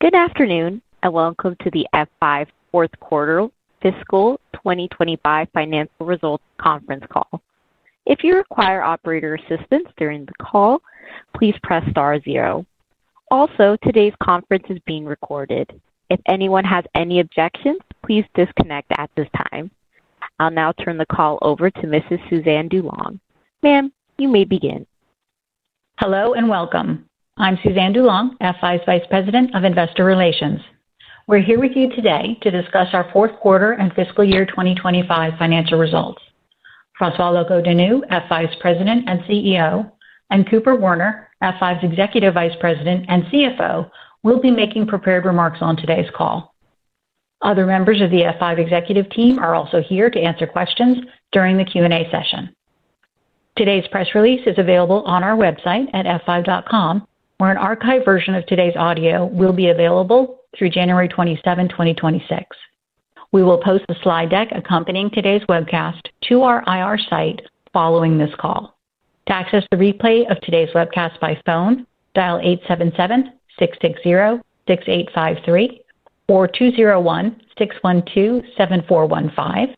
Good afternoon and welcome to the F5 Fourth Quarter Fiscal 2025 financial results conference call. If you require operator assistance during the call, please press star zero. Also, today's conference is being recorded. If anyone has any objections, please disconnect at this time. I'll now turn the call over to Mrs. Suzanne DuLong. Ma'am, you may begin. Hello and welcome. I'm Suzanne DuLong, F5's Vice President of Investor Relations. We're here with you today to discuss our fourth quarter and fiscal year 2025 financial results. François Locoh-Donou, F5's President and CEO, and Cooper Werner, F5's Executive Vice President and CFO, will be making prepared remarks on today's call. Other members of the F5 executive team are also here to answer questions during the Q&A session. Today's press release is available on our website at f5.com where an archived version of today's audio will be available through January 27, 2026. We will post the slide deck accompanying today's webcast to our IR site following this call. To access the replay of today's webcast by phone, dial 877-660-6853 or 201-612-7415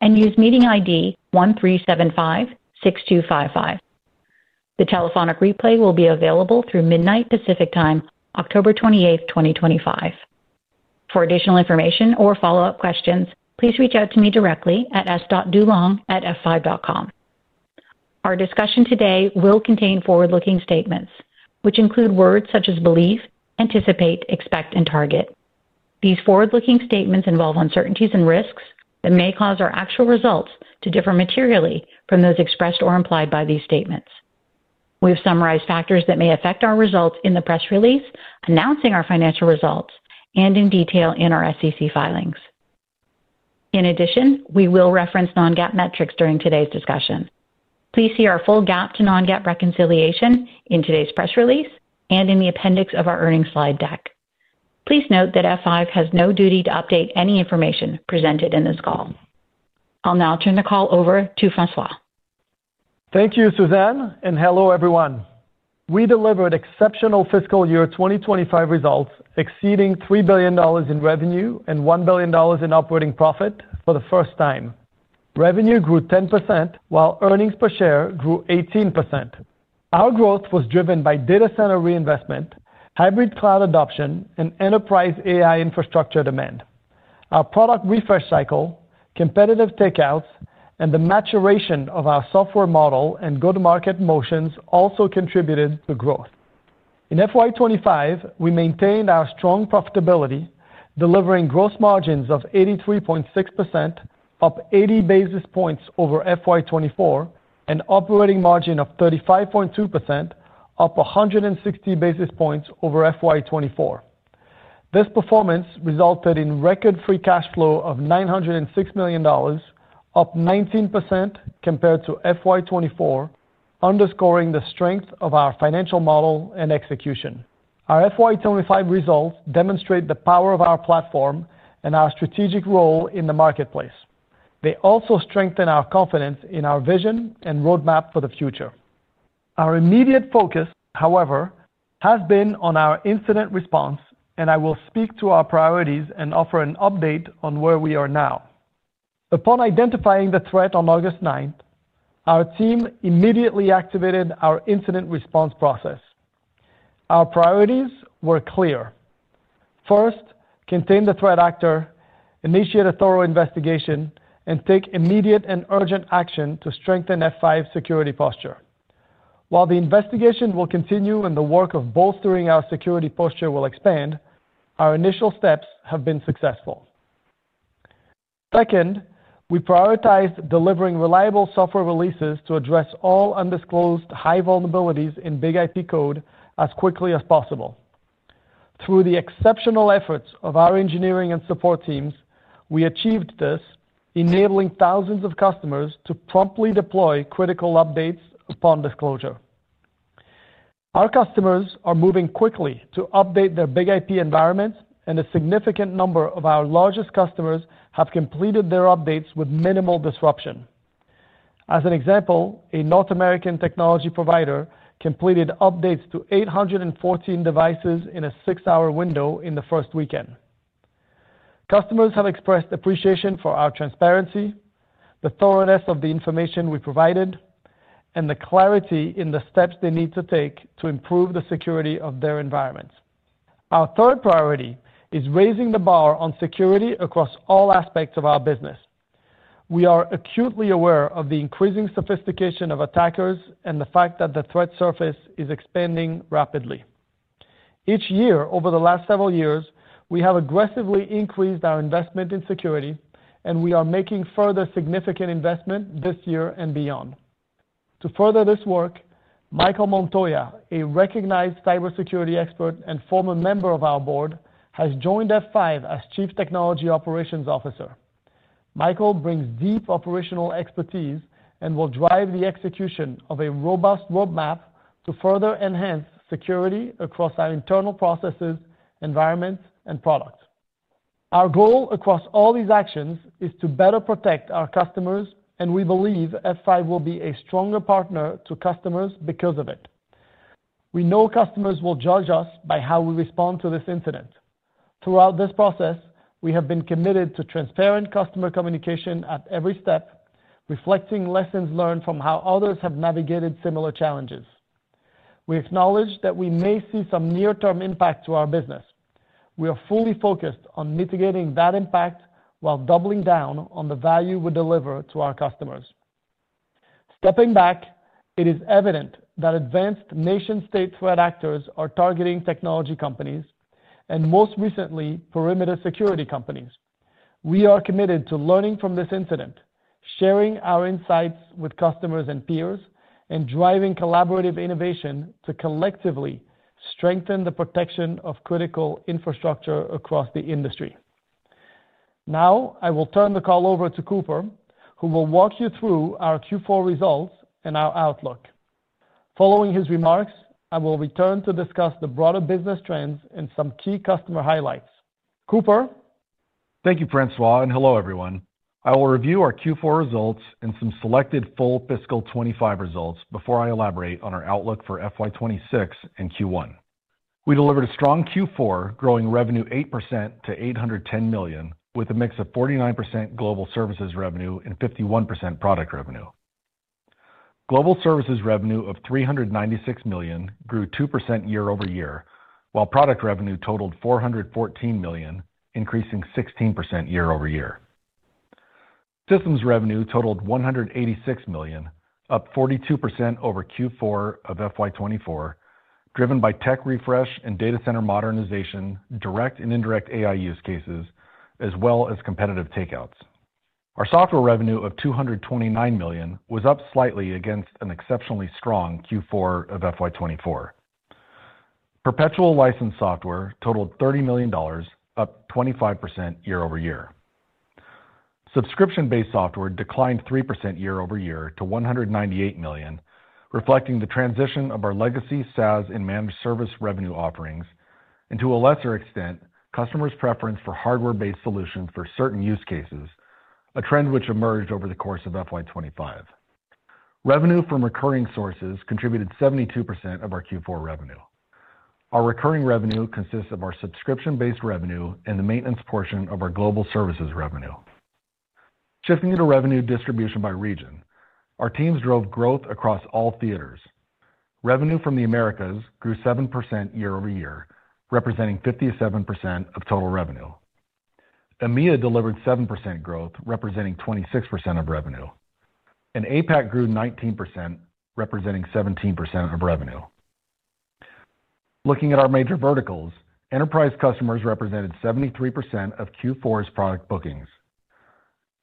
and use meeting ID 1375-6255. The telephonic replay will be available through midnight Pacific Time, October 28, 2025. For additional information or follow up questions, please reach out to me directly at sdulong@f5.com. Our discussion today will contain forward-looking statements which include words such as believe, anticipate, expect, and target. These forward-looking statements involve uncertainties and risks that may cause our actual results to differ materially from those expressed or implied by these statements. We have summarized factors that may affect our results in the press release announcing our financial results and in detail in our SEC filings. In addition, we will reference non-GAAP metrics during today's discussion. Please see our full GAAP to non-GAAP reconciliation in today's press release and in the appendix of our earnings slide deck. Please note that F5 has no duty to update any information presented in this call. I'll now turn the call over to François. Thank you, Suzanne, and hello everyone. We delivered exceptional fiscal year 2025 results, exceeding $3 billion in revenue and $1 billion in operating profit. For the first time, revenue grew 10% while earnings per share grew 18%. Our growth was driven by data center reinvestment, hybrid cloud adoption, and enterprise AI infrastructure demand. Our product refresh cycle, competitive takeouts, and the maturation of our software model and go-to-market motions also contributed to growth in FY 2025. We maintained our strong profitability, delivering gross margins of 83.6%, up 80 basis points over FY 2024, and an operating margin of 35.2%, up 160 basis points over FY 2024. This performance resulted in record free cash flow of $906 million, up 19% compared to FY 2024. Underscoring the strength of our financial model and execution, our FY 2025 results demonstrate the power of our platform and our strategic role in the marketplace. They also strengthen our confidence in our vision and roadmap for the future. Our immediate focus, however, has been on our incident response, and I will speak to our priorities and offer an update on where we are now. Upon identifying the threat on August 9th, our team immediately activated our incident response process. Our priorities were clear. First, contain the threat actor, initiate a thorough investigation, and take immediate and urgent action to strengthen F5's security posture. While the investigation will continue and the work of bolstering our security posture will expand, our initial steps have been successful. Second, we prioritized delivering reliable software releases to address all undisclosed high vulnerabilities in F5 BIG-IP code as quickly as possible. Through the exceptional efforts of our engineering and support teams, we achieved this, enabling thousands of customers to promptly deploy critical updates upon disclosure. Our customers are moving quickly to update their F5 BIG-IP environment, and a significant number of our largest customers have completed their updates with minimal disruption. As an example, a North American technology provider completed updates to 814 devices in a six-hour window in the first weekend. Customers have expressed appreciation for our transparency, the thoroughness of the information we provided, and the clarity in the steps they need to take to improve the security of their environments. Our third priority is raising the bar on security across all aspects of our business. We are acutely aware of the increasing sophistication of attackers and the fact that the threat surface is expanding rapidly each year. Over the last several years, we have aggressively increased our investment in security, and we are making further significant investment this year and beyond. To further this work, Michael Montoya, a recognized cybersecurity expert and former member of our board, has joined F5 as Chief Technology Operations Officer. Michael brings deep operational expertise and will drive the execution of a robust roadmap to further enhance security across our internal processes, environments, and products. Our goal across all these actions is to better protect our customers, and we believe F5 will be a stronger partner to customers because of it. We know customers will judge us by how we respond to this incident. Throughout this process, we have been committed to transparent customer communication at every step, reflecting lessons learned from how others have navigated similar challenges. We acknowledge that we may see some near term impact to our business. We are fully focused on mitigating that impact while doubling down on the value we deliver to our customers. Stepping back, it is evident that advanced nation state threat actors are targeting technology companies and most recently perimeter security companies. We are committed to learning from this incident, sharing our insights with customers and peers, and driving collaborative innovation to collectively strengthen the protection of critical infrastructure across the industry. Now I will turn the call over to Cooper, who will walk you through our Q4 results and our outlook. Following his remarks, I will return to discuss the broader business trends and some key customer highlights. Cooper? Thank you, François, and hello everyone. I will review our Q4 results and some selected full fiscal 2025 results before I elaborate on our outlook for FY 2026 and Q1. We delivered a strong Q4, growing revenue 8% to $810 million with a mix of 49% global services revenue and 51% product revenue. Global services revenue of $396 million grew 2% year-over-year, while product revenue totaled $414 million, increasing 16% year-over-year. Systems revenue totaled $186 million, up 42% over Q4 of FY 2024, driven by tech refresh and Data center modernization, direct and indirect AI use cases, as well as competitive takeouts. Our software revenue of $229 million was up slightly against an exceptionally strong Q4 of FY 2024. Perpetual license software totaled $30 million, up 25% year-over-year. Subscription-based software declined 3% year-over-year to $198 million, reflecting the transition of our legacy SaaS and managed service revenue offerings and, to a lesser extent, customers' preference for hardware-based solutions for certain use cases, a trend which emerged over the course of FY 2025. Revenue from recurring sources contributed 72% of our Q4 revenue. Our recurring revenue consists of our subscription-based revenue and the maintenance portion of our global services revenue. Shifting to revenue distribution by region, our teams drove growth across all theaters. Revenue from the Americas grew 7% year-over-year, representing 57% of total revenue. EMEA delivered 7% growth, representing 26% of revenue, and APAC grew 19%, representing 17% of revenue. Looking at our major verticals, enterprise customers represented 73% of Q4's product bookings.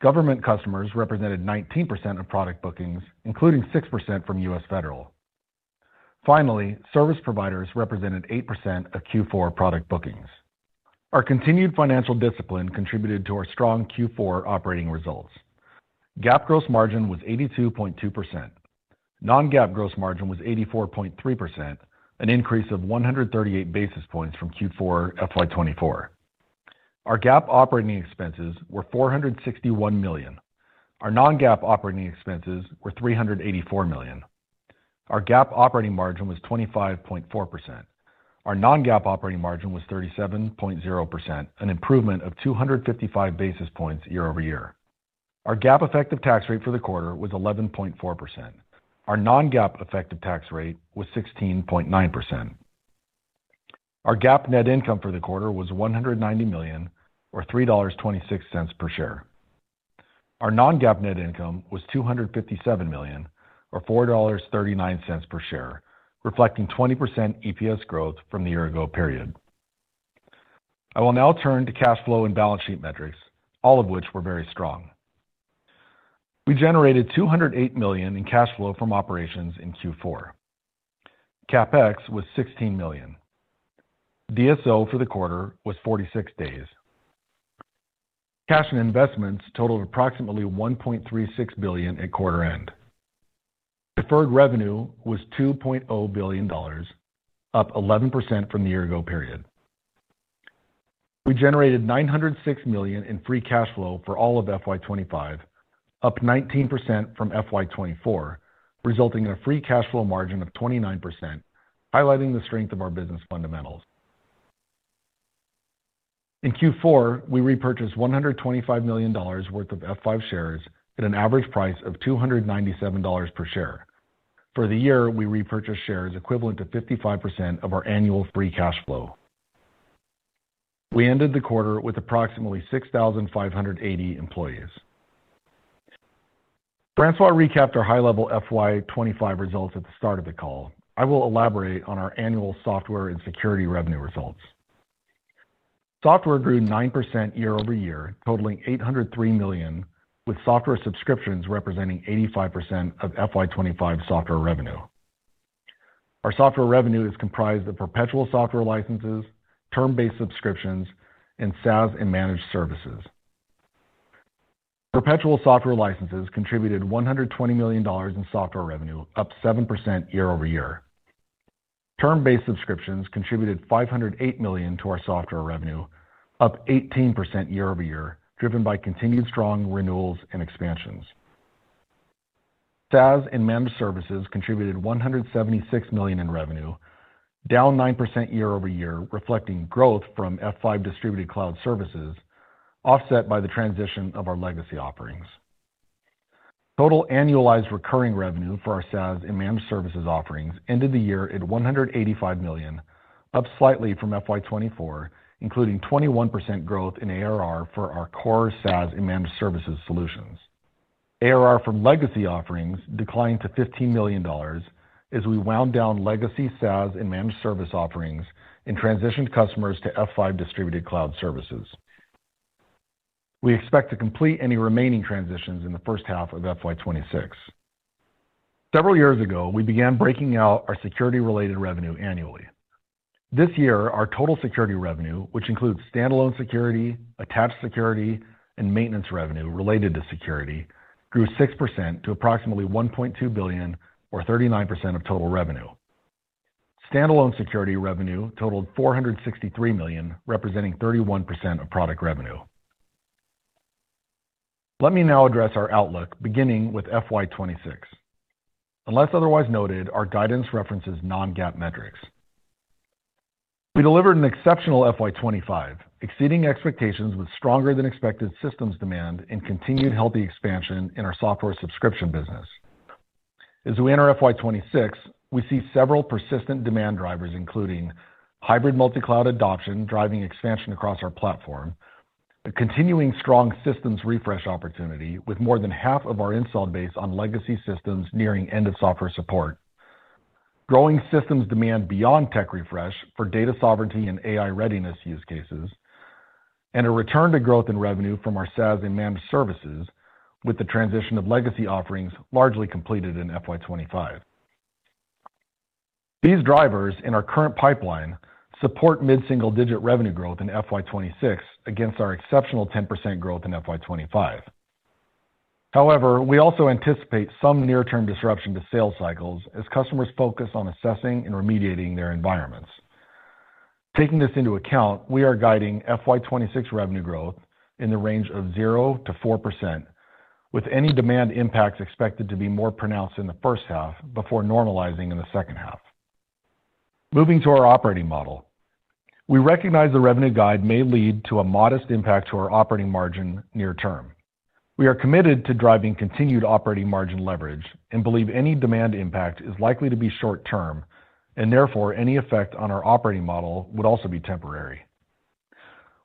Government customers represented 19% of product bookings, including 6% from U.S. Federal. Finally, service providers represented 8% of Q4 product bookings. Our continued financial discipline contributed to our strong Q4 operating results. GAAP gross margin was 82.2%. Non-GAAP gross margin was 84.3%, an increase of 138 basis points from Q4 FY 2024. Our GAAP operating expenses were $461 million. Our non-GAAP operating expenses were $384 million. Our GAAP operating margin was 25.4%. Our non-GAAP operating margin was 37.0%, an improvement of 255 basis points year-over-year. Our GAAP effective tax rate for the quarter was 11.4%. Our non-GAAP effective tax rate was 16.9%. Our GAAP net income for the quarter was $190 million or $3.2/share. Our non-GAAP net income was $257 million or $4.3/share, reflecting 20% EPS growth from the year-ago period. I will now turn to cash flow and balance sheet metrics, all of which were very strong. We generated $208 million in cash flow from operations in Q4. CapEx was $16 million. DSO for the quarter was 46 days. Cash and investments totaled approximately $1.36 billion at quarter end. Deferred revenue was $2.0 billion, up 11% from the year ago period. We generated $906 million in free cash flow for all of FY 2025, up 19% from FY 2024, resulting in a free cash flow margin of 29%, highlighting the strength of our business fundamentals. In Q4, we repurchased $125 million worth of F5 shares at an average price of $297/share. For the year, we repurchased shares equivalent to 55% of our annual free cash flow. We ended the quarter with approximately 6,580 employees. François recapped our high level FY 2025 results at the start of the call. I will elaborate on our annual software and security revenue results. Software grew 9% year-over-year, totaling $803 million, with software subscriptions representing 85% of FY 2025 Software revenue. Our Software revenue is comprised of perpetual software licenses, term based subscriptions, and SaaS and managed services. Perpetual software licenses contributed $120 million in Software revenue, up 7% year-over-year. Term based subscriptions contributed $508 million to our Software revenue, up 18% year-over-year, driven by continued strong renewals and expansions. SaaS and managed services contributed $176 million in revenue, down 9% year-over-year, reflecting growth from F5 Distributed Cloud Services offset by the transition of our legacy offerings. Total annualized recurring revenue for our SaaS and managed services offerings ended the year at $185 million, up slightly from FY 2024, including 21% growth in ARR for our core SaaS and managed services solutions. ARR from legacy offerings declined to $15 million as we wound down legacy SaaS and managed service offerings and transitioned customers to F5 Distributed Cloud Services. We expect to complete any remaining transitions in the first half of FY 2026. Several years ago, we began breaking out our security related revenue annually. This year, our total security revenue, which includes standalone security, attached security, and maintenance revenue related to security, grew 6% to approximately $1.2 billion, or 39% of total revenue. Standalone security revenue totaled $463 million, representing 31% of product revenue. Let me now address our outlook beginning with FY 2026. Unless otherwise noted, our guidance references non-GAAP metrics. We delivered an exceptional FY 2025, exceeding expectations with stronger than expected systems demand and continued healthy expansion in our Software Subscription Business. As we enter FY 2026, we see several persistent demand drivers including hybrid multi-cloud adoption driving expansion across our platform, a continuing strong systems refresh opportunity with more than half of our installed base on legacy systems nearing end of software support, growing systems demand beyond tech refresh for data sovereignty and AI readiness use cases, and a return to growth in revenue from our SaaS and managed services. With the transition of legacy offerings largely completed in FY 2025, these drivers in our current pipeline support mid-single-digit revenue growth in FY 2026 against our exceptional 10% growth in FY 2025. However, we also anticipate some near-term disruption to sales cycles as customers focus on assessing and remediating their environments. Taking this into account, we are guiding FY 2026 revenue growth in the range of 0%-4%, with any demand impacts expected to be more pronounced in the first half before normalizing in the second half. Moving to our operating model, we recognize the revenue guide may lead to a modest impact to our operating margin near term. We are committed to driving continued operating margin leverage and believe any demand impact is likely to be short term, and therefore any effect on our operating model would also be temporary.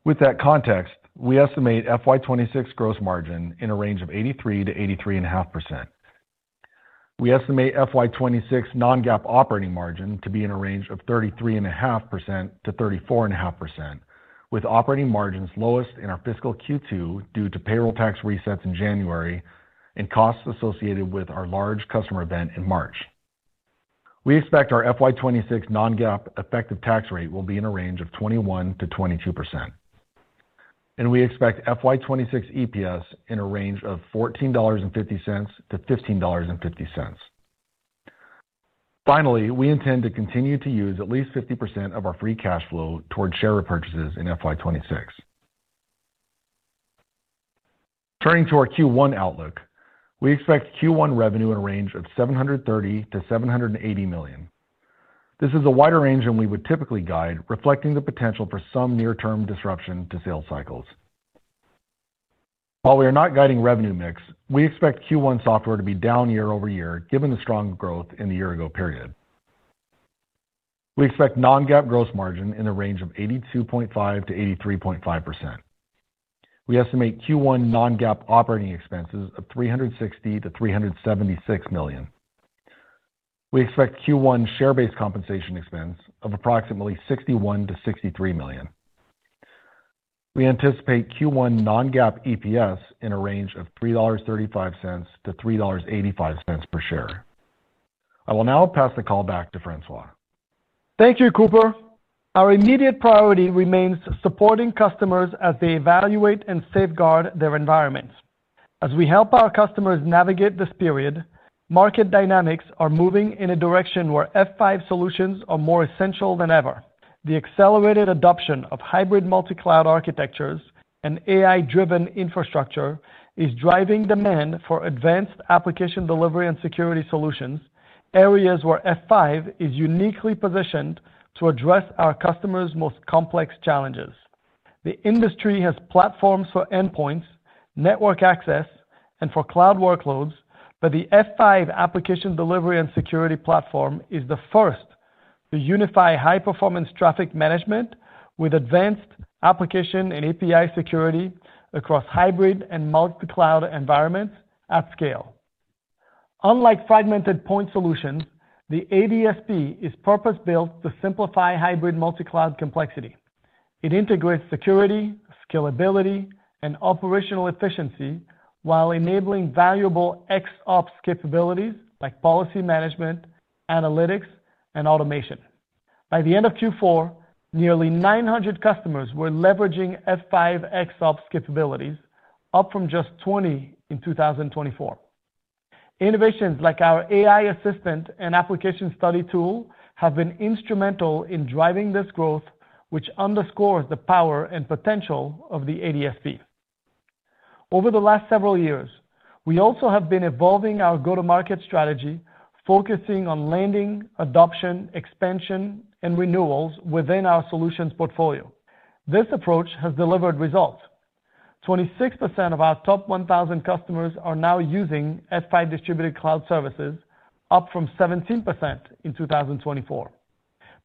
With that context, we estimate FY 2026 gross margin in a range of 83%-83.5%. We estimate FY 2026 non-GAAP operating margin to be in a range of 33.5%-34.5%, with operating margins lowest in our fiscal Q2 due to payroll tax resets in January and costs associated with our large customer event in March. We expect our FY 2026 non-GAAP effective tax rate will be in a range of 21%-22%, and we expect FY 2026 EPS in a range of $14.50-$15.50. Finally, we intend to continue to use at least 50% of our free cash flow towards share repurchases in FY 2026. Turning to our Q1 outlook, we expect Q1 revenue in a range of $730 million-$780 million. This is a wider range than we would typically guide, reflecting the potential for some near-term disruption to sales cycles. While we are not guiding revenue mix, we expect Q1 software to be down year-over-year given the strong growth in the year ago period. We expect non-GAAP gross margin in the range of 82.5%-83.5%. We estimate Q1 non-GAAP operating expenses of $360 million-$376 million. We expect Q1 share-based compensation expense of approximately $61 million-$63 million. We anticipate Q1 non-GAAP EPS in a range of $3.35-$3.85/share. I will now pass the call back to François. Thank you, Cooper. Our immediate priority remains supporting customers as they evaluate and safeguard their environments. As we help our customers navigate this period, market dynamics are moving in a direction where F5 solutions are more essential than ever. The accelerated adoption of hybrid multi-cloud architectures and AI-driven infrastructure is driving demand for advanced application delivery and security solutions, areas where F5 is uniquely positioned to address our customers' most complex challenges. The industry has platforms for endpoints, network access, and for cloud workloads, but the F5 Application Delivery and Security Platform is the first to unify high-performance traffic management with advanced application and API security across hybrid and multi-cloud environments at scale. Unlike fragmented point solutions, the ADSP is purpose-built to simplify hybrid multi-cloud complexity. It integrates security, scalability, and operational efficiency while enabling valuable XOps capabilities like policy management, analytics, and automation. By the end of Q4, nearly 900 customers were leveraging F5 XOps capabilities, up from just 20 in 2024. Innovations like our AI Assistant and application study tool have been instrumental in driving this growth, which underscores the power and potential of the ADSP. Over the last several years, we also have been evolving our go-to-market strategy, focusing on landing, adoption, expansion, and renewals within our solutions portfolio. This approach has delivered results: 26% of our top 1,000 customers are now using F5 Distributed Cloud Services, up from 17% in 2024.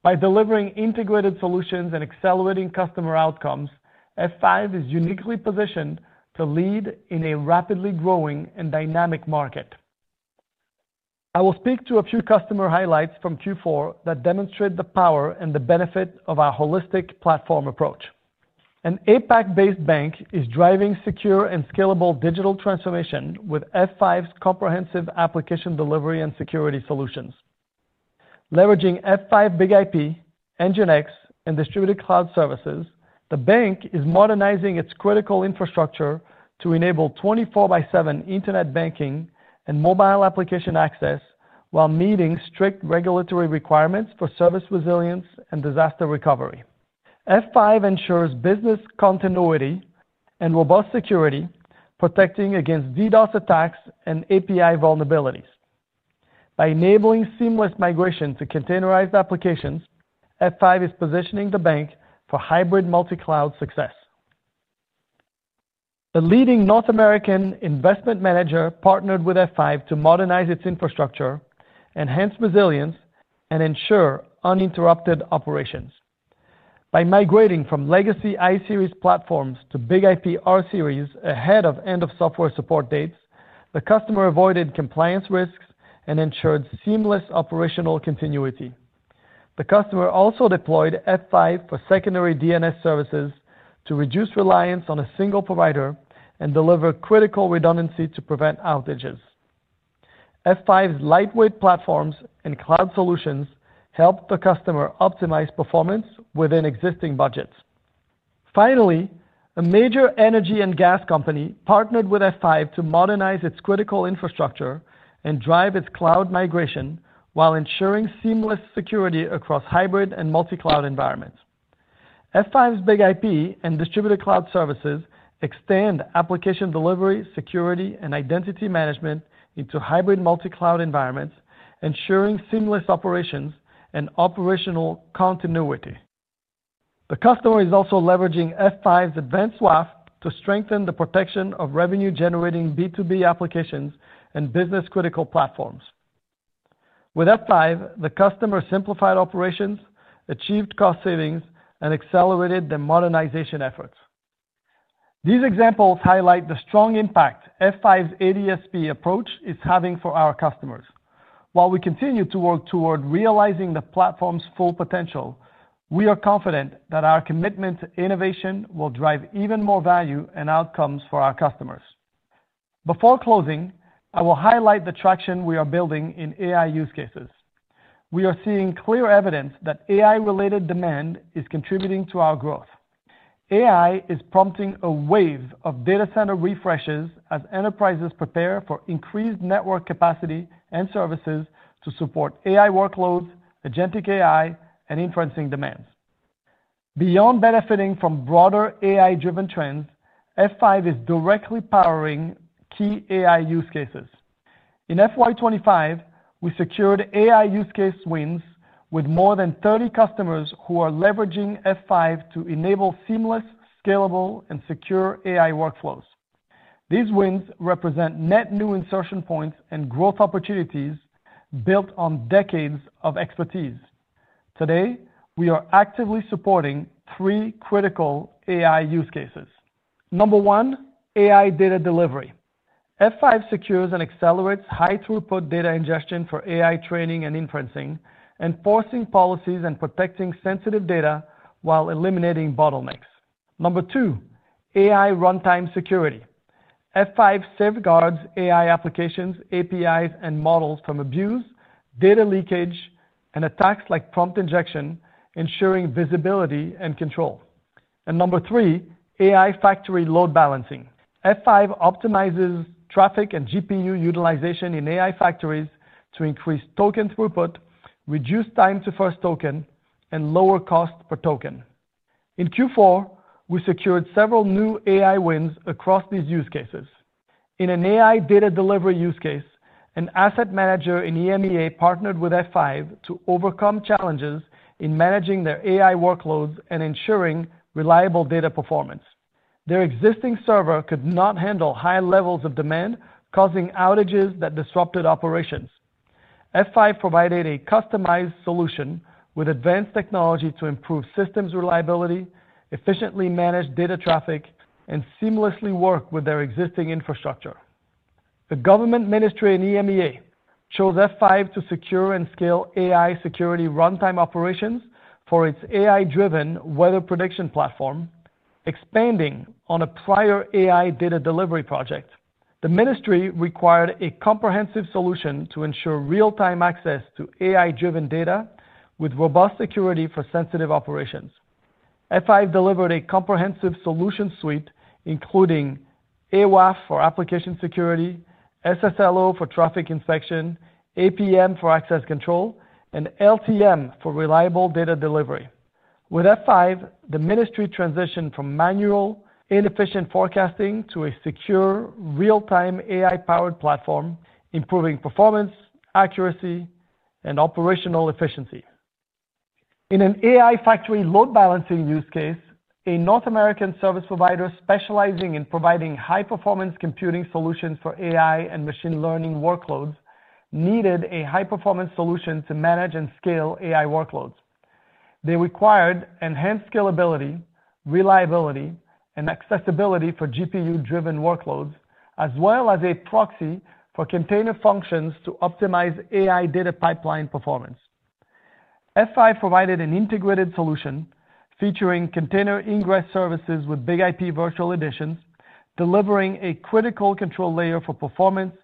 By delivering integrated solutions and accelerating customer outcomes, F5 is uniquely positioned to lead in a rapidly growing and dynamic market. I will speak to a few customer highlights from Q4 that demonstrate the power and the benefit of our holistic platform approach. An APAC-based bank is driving secure and scalable digital transformation with F5's comprehensive application delivery and security solutions, leveraging F5 BIG-IP, NGINX, and Distributed Cloud Services. The bank is modernizing its critical infrastructure to enable 24/7 Internet banking and mobile application access while meeting strict regulatory requirements for service resilience and disaster recovery. F5 ensures business continuity and robust security, protecting against DDoS attacks and API vulnerabilities. By enabling seamless migration to containerized applications, F5 is positioning the bank for hybrid multi-cloud success. The leading North American investment manager partnered with F5 to modernize its infrastructure, enhance resilience, and ensure uninterrupted operations. By migrating from legacy iSeries platforms to F5 BIG-IP rSeries ahead of end of software support dates, the customer avoided compliance risks and ensured seamless operational continuity. The customer also deployed F5 for secondary DNS services to reduce reliance on a single provider and deliver critical redundancy to prevent outages. F5's lightweight platforms and cloud solutions help the customer optimize performance within existing budgets. Finally, a major energy and gas company partnered with F5 to modernize its critical infrastructure and drive its cloud migration while ensuring seamless security across hybrid and multi-cloud environments. F5's BIG-IP and F5 Distributed Cloud Services extend application delivery, security, and identity management into hybrid multi-cloud environments, ensuring seamless operations and operational continuity. The customer is also leveraging F5's advanced WAF to strengthen the protection of revenue-generating B2B applications and business-critical platforms. With F5, the customer simplified operations, achieved cost savings, and accelerated their modernization efforts. These examples highlight the strong impact F5's ADSP approach is having for our customers. While we continue to work toward realizing the platform's full potential, we are confident that our commitment to innovation will drive even more value and outcomes for our customers. Before closing, I will highlight the traction we are building in AI use cases. We are seeing clear evidence that AI-related demand is contributing to our growth. AI is prompting a wave of data center refreshes as enterprises prepare for increased network capacity and services to support AI workloads, Agentic AI and Inferencing demands. Beyond benefiting from broader AI-driven trends, F5 is directly powering key AI use cases. In FY 2025, we secured AI use case wins with more than 30 customers who are leveraging F5 to enable seamless, scalable, and secure AI workflows. These wins represent net new insertion points and growth opportunities built on decades of expertise. Today, we are actively supporting three critical AI use cases. Number one, AI data delivery. F5 secures and accelerates high throughput data ingestion for AI training and inferencing, enforcing policies and protecting sensitive data while eliminating bottlenecks. Number two, AI runtime security. F5 safeguards AI applications, APIs, and models from abuse, data leakage, and attacks like prompt injection, ensuring visibility and control. Number three, AI factory load balancing. F5 optimizes traffic and GPU utilization in AI factories to increase token throughput, reduce time to first token, and lower cost per token. In Q4, we secured several new AI wins across these use cases. In an AI data delivery use case, an asset manager in EMEA partnered with F5 to overcome challenges in managing their AI workloads and ensuring reliable data performance. Their existing server could not handle high levels of demand, causing outages that disrupted operations. F5 provided a customized solution with advanced technology to improve systems reliability, efficiently manage data traffic, and seamlessly work with their existing infrastructure. The Government Ministry in EMEA chose F5 to secure and scale AI security runtime operations for its AI-driven weather prediction platform. Expanding on a prior AI data delivery project, the Ministry required a comprehensive solution to ensure real-time access to AI-driven data with robust security for sensitive operations. F5 delivered a comprehensive solution suite including AWAF for application security, SSLO for traffic inspection, APM for access control, and LTM for reliable data delivery. With F5, the Ministry transitioned from manual, inefficient forecasting to a secure, real-time AI-powered platform, improving performance, accuracy, and operational efficiency. In an AI factory load balancing use case, a North American service provider specializing in providing high performance computing solutions for AI and machine learning workloads needed a high performance solution to manage and scale AI workloads. They required enhanced scalability, reliability, and accessibility for GPU-driven workloads as well as a proxy for container functions to optimize AI data pipeline performance. F5 provided an integrated solution featuring container ingress services with F5 BIG-IP virtual editions delivering a critical control layer for performance,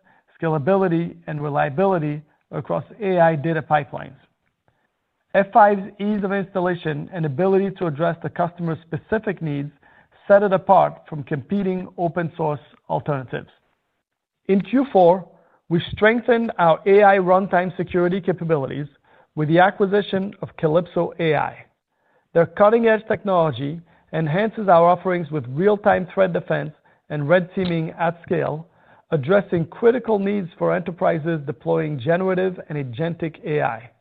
scalability, and reliability across AI data pipelines. F5's ease of installation and ability to address the customer's specific needs set it apart from competing open source alternatives. In Q4, we strengthened our AI runtime security capabilities with the acquisition of Calypso AI. Their cutting-edge technology enhances our offerings with real-time threat defense and red teaming at scale, addressing critical needs for enterprises deploying generative and Agentic AI.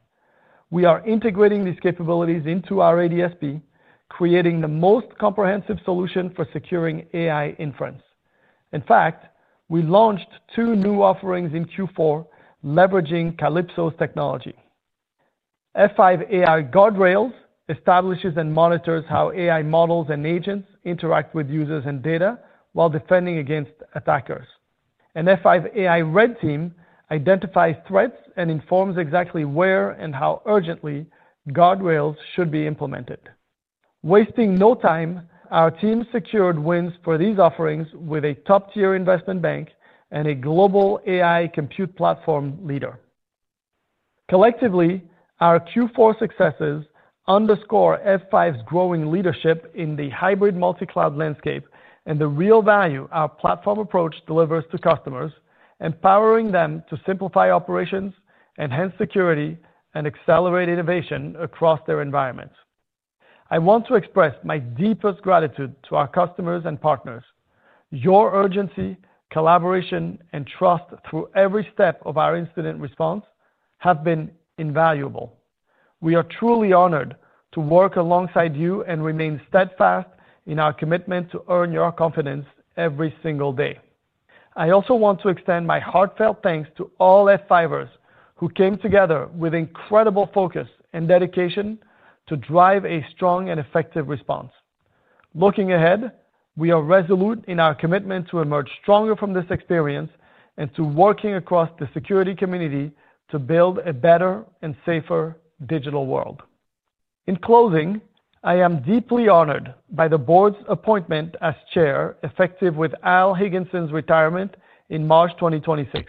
We are integrating these capabilities into our F5 ADSP, creating the most comprehensive solution for securing AI inference. In fact, we launched two new offerings in Q4 leveraging Calypso AI's technology. F5 AI Guardrails establishes and monitors how AI models and agents interact with users and data while defending against attackers. F5 AI Red Team identifies threats and informs exactly where and how urgently guardrails should be implemented. Wasting no time, our team secured wins for these offerings with a top-tier investment bank and a global AI compute platform leader. Collectively, our Q4 successes underscore F5's growing leadership in the hybrid multi-cloud landscape and the real value our platform approach delivers to customers, empowering them to simplify operations, enhance security, and accelerate innovation across their environments. I want to express my deepest gratitude to our customers and partners. Your urgency, collaboration, and trust through every step of our incident response have been invaluable. We are truly honored to work alongside you and remain steadfast in our commitment to earn your confidence every single day. I also want to extend my heartfelt thanks to all F5ers, who came together with incredible focus and dedication to drive a strong and effective response. Looking ahead, we are resolute in our commitment to emerge stronger from this experience and to working across the security community to build a better and safer digital world. In closing, I am deeply honored by the Board's appointment as Chair, effective with Alan Higginson's retirement in March 2026.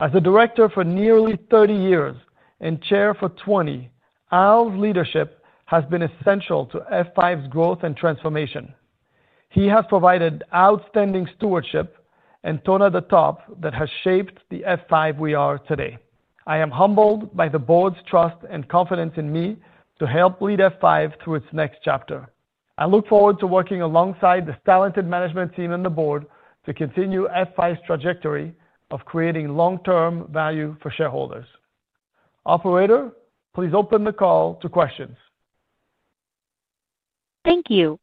As a Director for nearly 30 years and Chair for 20, Alan's leadership has been essential to F5's growth and transformation. He has provided outstanding stewardship and tone at the top that has shaped the F5 we are today. I am humbled by the Board's trust and confidence in me to help lead F5 through its next chapter. I look forward to working alongside this talented management team on the Board and to continue F5's trajectory of creating long-term value for shareholders. Operator, please open the call to questions. Thank you.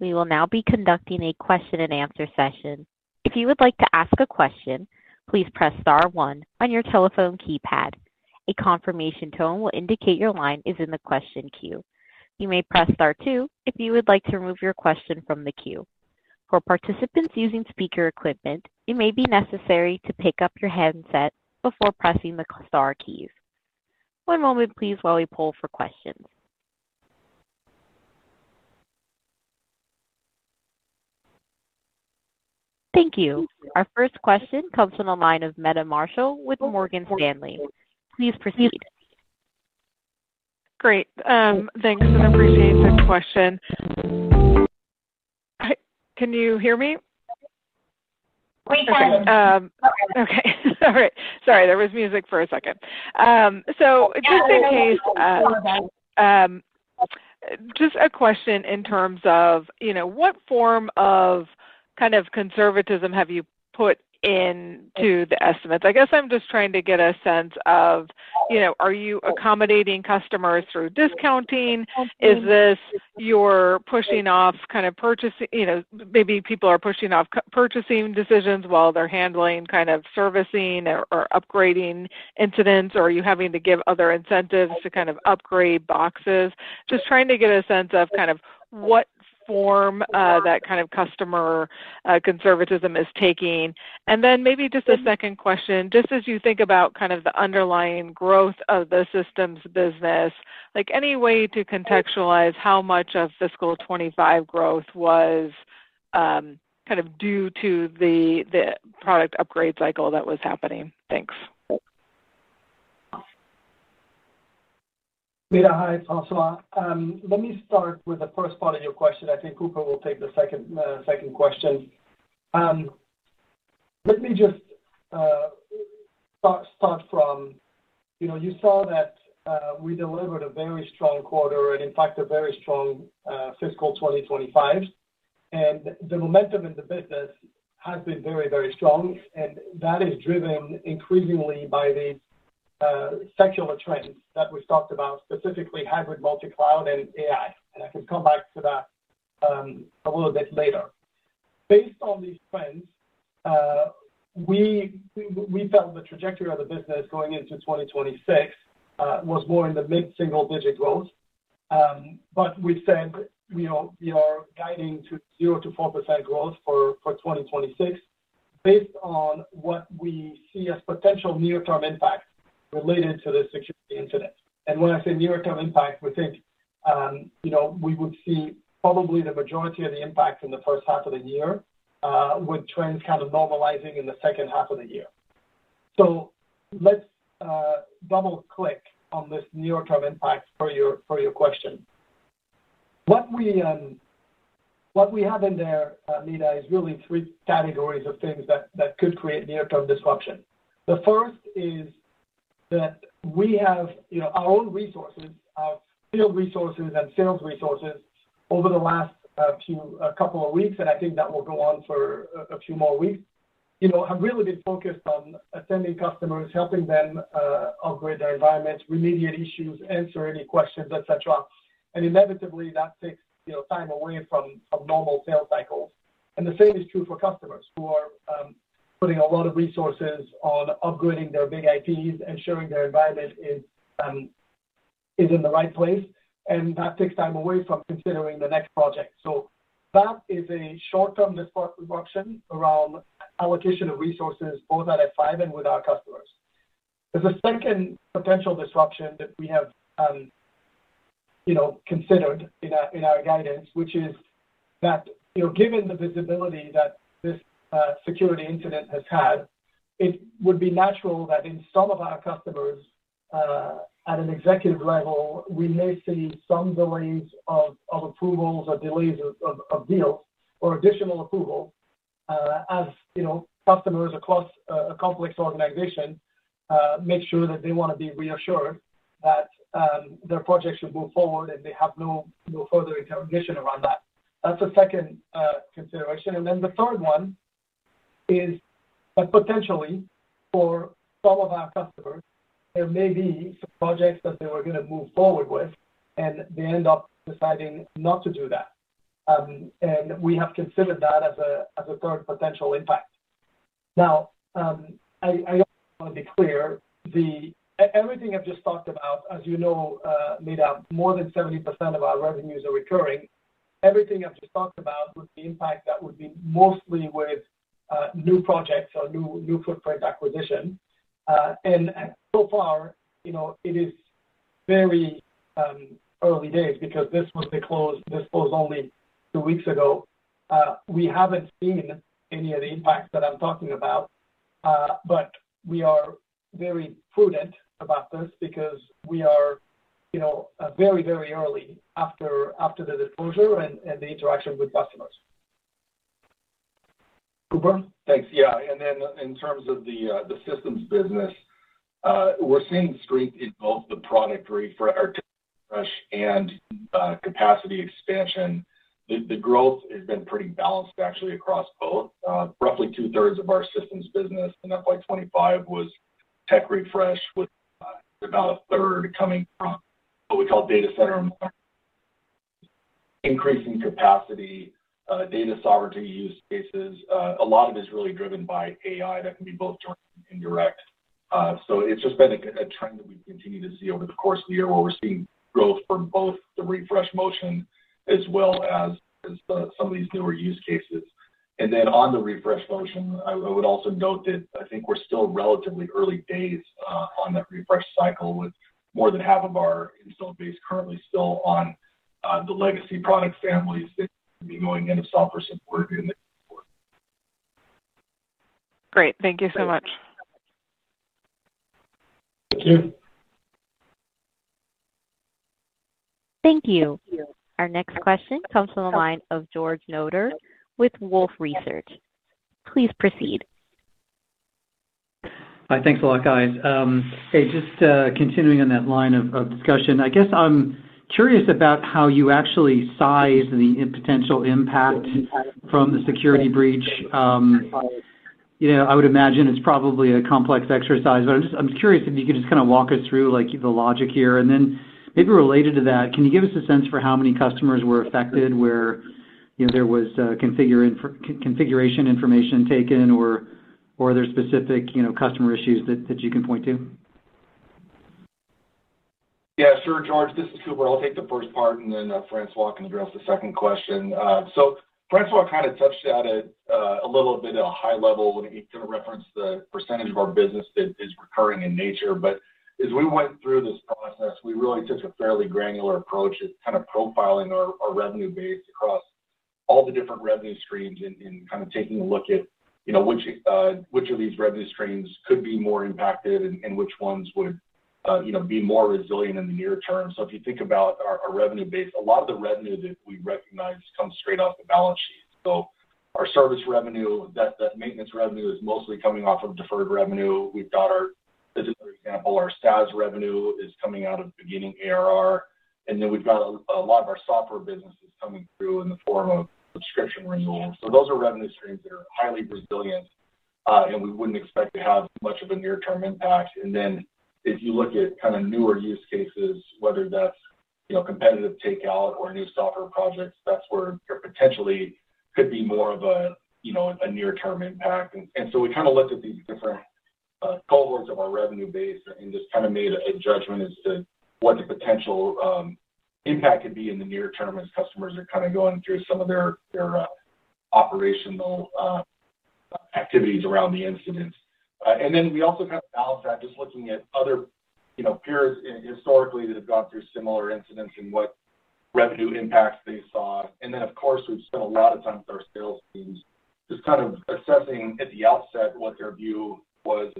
We will now be conducting a question and answer session. If you would like to ask a question, please press star one on your telephone keypad. A confirmation tone will indicate your line is in the question queue. You may press star two if you would like to remove your question from the queue. For participants using speaker equipment, it may be necessary to pick up your handset before pressing the star keys. One moment please, while we poll for questions. Thank you. Our first question comes from the line of Meta Marshall with Morgan Stanley. Please proceed. Great. Thanks and appreciate the question. Can you hear me? We can. Okay. Sorry, there was music for a second. Just in case, just a question. In terms of what form of kind of conservatism have you put into the estimates? I'm just trying to get a sense of, are you accommodating customers through discounting? Is this you're pushing off kind of purchasing? Maybe people are pushing off purchasing decisions while they're handling kind of servicing or upgrading incidents. Are you having to give other incentives to kind of upgrade boxes? Just trying to get a sense of what form that kind of customer conservatism is taking. Maybe just a second question. As you think about the underlying growth of the systems business, any way to contextualize how much of fiscal 2025 growth was due to the product upgrade cycle that was happening? Thanks. Meta, hi. Francois. Let me start with the first part of your question. I think Cooper will take the second question. Let me just start from you saw that we delivered a very strong quarter and in fact a very strong fiscal 2025. The momentum in the business has been very, very strong. That is driven increasingly by these secular trends that we've talked about, specifically Hybrid multi-cloud and AI. I can come back to that a little bit later. Based on these trends, we felt the trajectory of the business going into 2026 was more in the mid-single-digit growth. We said we are guiding to 0%-4% growth for 2026 based on what we see as potential near term impact related to the security incident. When I say near term impact, we think we would see probably the majority of the impact in the first half of the year, with trends kind of normalizing in the second half of the year. Let's double click on this near term impact for your question. What we have in there, Meta, is really three categories of things that could create near term disruption. The first is that we have our own resources, our field resources and sales resources over the last couple of weeks, and I think that will go on for a few more weeks, have really been focused on attending customers, helping them upgrade their environment, remediate issues, answer any questions, etc. Inevitably, that takes time away from normal sales cycles. The same is true for customers who are putting a lot of resources on upgrading their BIG-IP, ensuring their environment is in the right place. That takes time away from considering the next project. That is a short-term disruption around allocation of resources, both at F5 and with our customers. There is a second potential disruption that we have considered in our guidance, which is that given the visibility that this security incident has had, it would be natural that in some of our customers at an executive level, we may see some delays of approvals or delays of deals or additional approval as customers across a complex organization make sure that they want to be reassured that their project should move forward and they have no further interrogation around that. That is the second consideration. The third one is that potentially for all of our customers there may be some projects that they were going to move forward with and they end up deciding not to do that. We have considered that as a third potential impact. I want to be clear. Everything I've just talked about, as you know, more than 70% of our revenues are recurring. Everything I've just talked about with the impact would be mostly with new projects or new footprint acquisition. So far it is very early days because this was the close, this was only two weeks ago. We haven't seen any of the impacts that I'm talking about. We are very prudent about this because we are very, very early after the disclosure and the interaction with customers. Cooper? Thanks. Yeah. In terms of the systems business, we're seeing strength in both the product refresh and capacity expansion. The growth has been pretty balanced actually across both. Roughly two thirds of our systems business in FY 2025 was tech refresh, with about a third coming from what we call data center. Increasing capacity, data sovereignty use cases. A lot of it is really driven by AI that can be both joined by indirect. It's just been a trend that we continue to see over the course of the year where we're seeing growth from both the refresh motion as well as some of these newer use cases. On the refresh motion, I would also note that I think we're still relatively early days on that refresh cycle with more than half of our installed base currently still on the legacy product families going into software support. Great, thank you so much. Thank you. Thank you. Our next question comes from the line of George Notter with Wolfe Research. Please proceed. Hi, thanks a lot, guys. Just continuing on that line of discussion, I guess. I'm curious about how you actually size the potential impact from the security breach. I would imagine it's probably a complex exercise, but I'm just curious if you could walk us through the logic here, and then maybe related to that, can you give us a sense for how many customers were affected? Where there was configuration information taken, or are there specific customer issues that you can point to? Yeah, sure. George, this is Cooper. I'll take the first part and then François can address the second question. François kind of touched at it a little bit at a high level when he referenced the percentage of our business that is recurring in nature. As we went through this process, we really took a fairly granular approach at profiling our revenue base across all the different revenue streams and taking a look at which of these revenue streams could be more impacted and which ones would be more resilient in the near term. If you think about our revenue base, a lot of the revenue that we recognize comes straight off the balance sheet. Our service revenue, that maintenance revenue, is mostly coming off of deferred revenue. For example, our SaaS revenue is coming out of beginning ARR and then we've got a lot of our software businesses coming through in the form of subscription renewals. Those are revenue streams that are highly resilient and we wouldn't expect to have much of a near term impact. If you look at newer use cases, whether that's competitive takeout or new software projects, that's where you potentially could see more of a near term impact. We looked at these different cohorts of our revenue base and made a judgment as to what the potential impact could be in the near term as customers are going through some of their operational activities around the incident. We also balanced that by looking at other peers historically that have gone through similar incidents and what revenue impacts they saw. Of course, we've spent a lot of time with our sales teams assessing at the outset what their view was,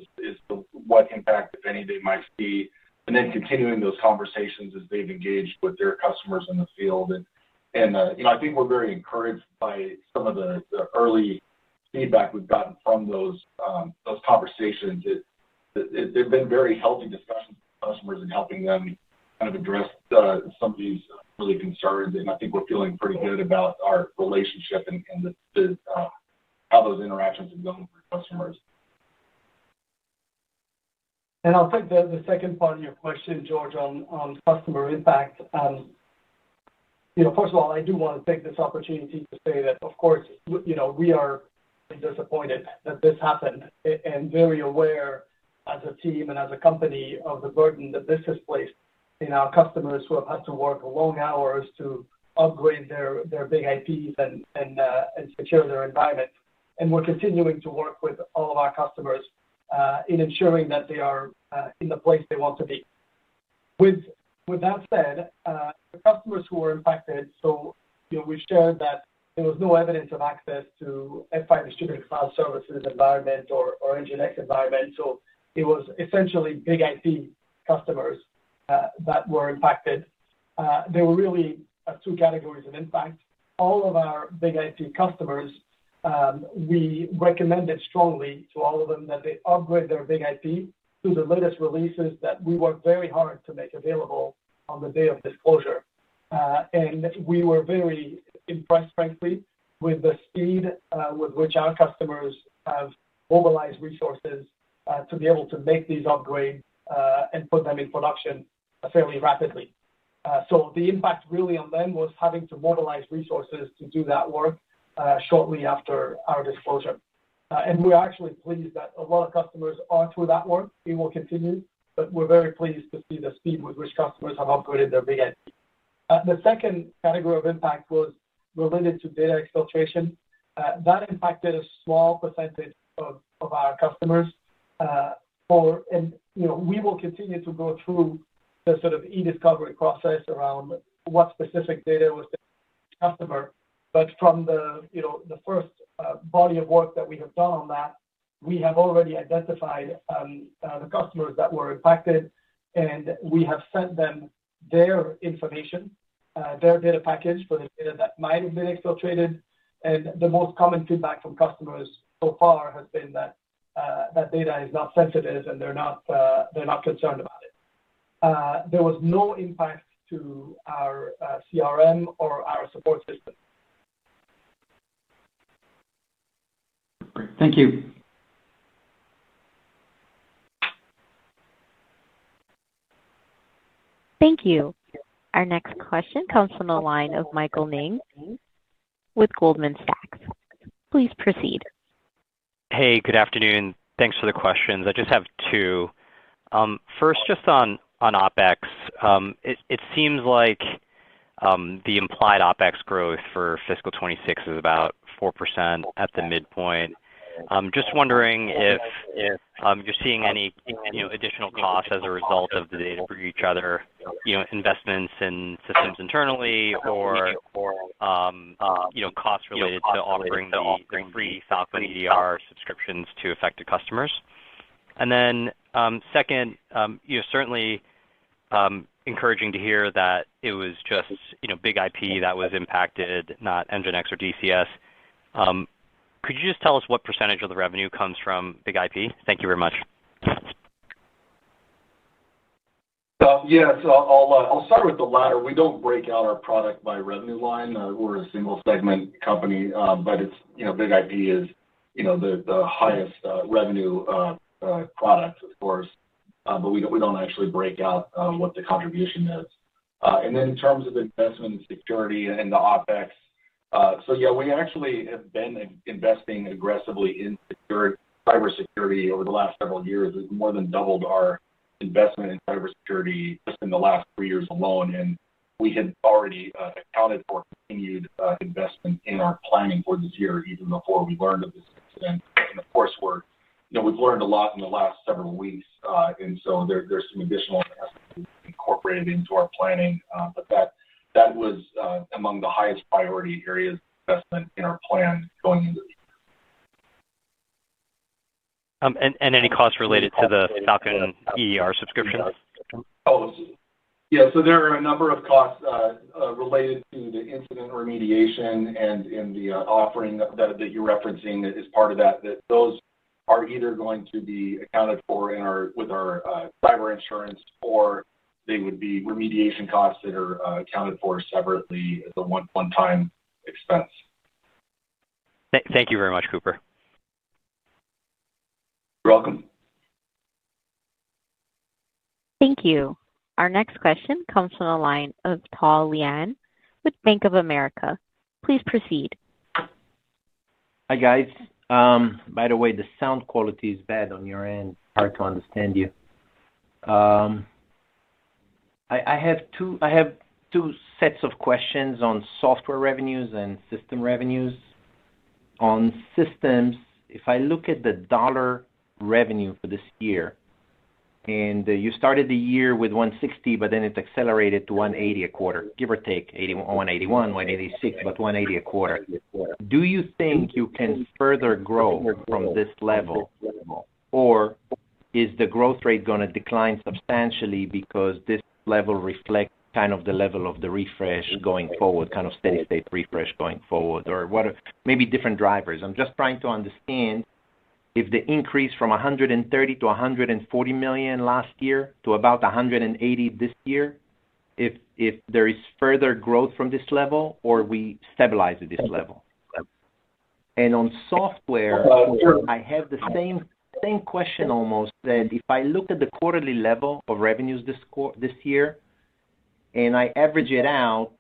what impact, if any, they might see, and continuing those conversations as they've engaged with their customers in the field. I think we're very encouraged by some of the early feedback we've gotten from those conversations. They've been very healthy discussions, customers and helping them address some of these early concerns. I think we're feeling pretty good about our relationship and how those interactions are going with customers. I'll take the second part of your question, George, on customer impact. First of all, I do want to take this opportunity to say that, of course, we are disappointed that this happened and very aware as a team and as a company of the burden that this has placed on our customers who have had to work long hours to upgrade their BIG-IP and secure their environment. We're continuing to work with all of our customers in ensuring that they are in the place they want to be. With that said, the customers who were impacted—we shared that there was no evidence of access to F5 Distributed Cloud Services environment or NGINX environment. It was essentially BIG-IP customers that were impacted. There were really two categories of impact. All of our BIG-IP customers, we recommended strongly to all of them that they upgrade their BIG-IP to the latest releases that we worked very hard to make available on the day of disclosure. We were very impressed, frankly, with the speed with which our customers have mobilized resources to be able to make these upgrades and put them in production fairly rapidly. The impact on them was having to mobilize resources to do that work shortly after our disclosure. We are actually pleased that a lot of customers are through that work. It will continue, but we're very pleased to see the speed with which customers have upgraded their BIG-IP. The second category of impact was related to data exfiltration that impacted a small percentage of our customers. We will continue to go through the sort of e-discovery process around what specific data was customer. From the first body of work that we have done on that, we have already identified the customers that were impacted and we have sent them their information, their data package for the data that might have been exfiltrated. The most common feedback from customers so far has been that that data is not sensitive and they're not concerned about it. There was no impact to our CRM or our support system. Thank you. Thank you. Our next question comes from the line of Michael Ng with Goldman Sachs. Please proceed. Hey, good afternoon. Thanks for the questions. I just have two. First, just on OpEx, it seems like the implied OpEx growth for fiscal 2026 is about 4% at the midpoint. I'm just wondering if you're seeing any additional costs as a result of the data breach, other investments in systems internally, or costs related to offering the free Falcon EDR subscriptions to affected customers. Second, certainly encouraging to hear that it was just, you know, F5 BIG-IP that was impacted, not NGINX or F5 DCS. Could you just tell us what percentage of the revenue comes from F5 BIG-IP? Thank you very much. Yes, I'll start with the latter. We don't break out our product by revenue line. We're a single segment company, but it's, you know, F5 BIG-IP is, you know, the highest revenue product, of course, but we don't actually break out what the contribution is. In terms of investment security and the OpEx, we actually have been investing aggressively in cybersecurity over the last several years. We've more than doubled our investment in cybersecurity just in the last three years alone. We had already accounted for continued investment in our planning for this year even before we learned of the, and of course, we've learned a lot in the last several weeks, so there's some additional investment incorporated into our planning, but that was among the highest priority areas of investment in our plan going into the year. Any costs related to the Falcon EDR subscription? Yeah, there are a number of costs related to the incident remediation, and in the offering that you're referencing, that is part of that. Those are either going to be accounted for with our cyber insurance, or they would be remediation costs that are accounted for separately as a one-time expense. Thank you very much, Cooper. You're welcome. Thank you. Our next question comes from the line of Tal Liani with Bank of America. Please proceed. Hi guys. By the way, the sound quality is bad on your end. Hard to understand you. I have two sets of questions on software revenues and system revenues. On systems, if I look at the dollar revenue for this year and you started the year with $160 million, but then it accelerated to $180 million a quarter, give or take $181 million, $186 million, but $180 million a quarter, do you think you can further grow from this level or is the growth rate going to decline substantially? Because this level reflects kind of the level of the refresh going forward, kind of steady state refresh going forward or what? Maybe different drivers. I'm just trying to understand if the increase from $130 million-$140 million last year to about $180 million this year, if there is further growth from this level or we stabilize at this level? And on software I have the same question almost that if I look at the quarterly level of revenues this year and I average it out,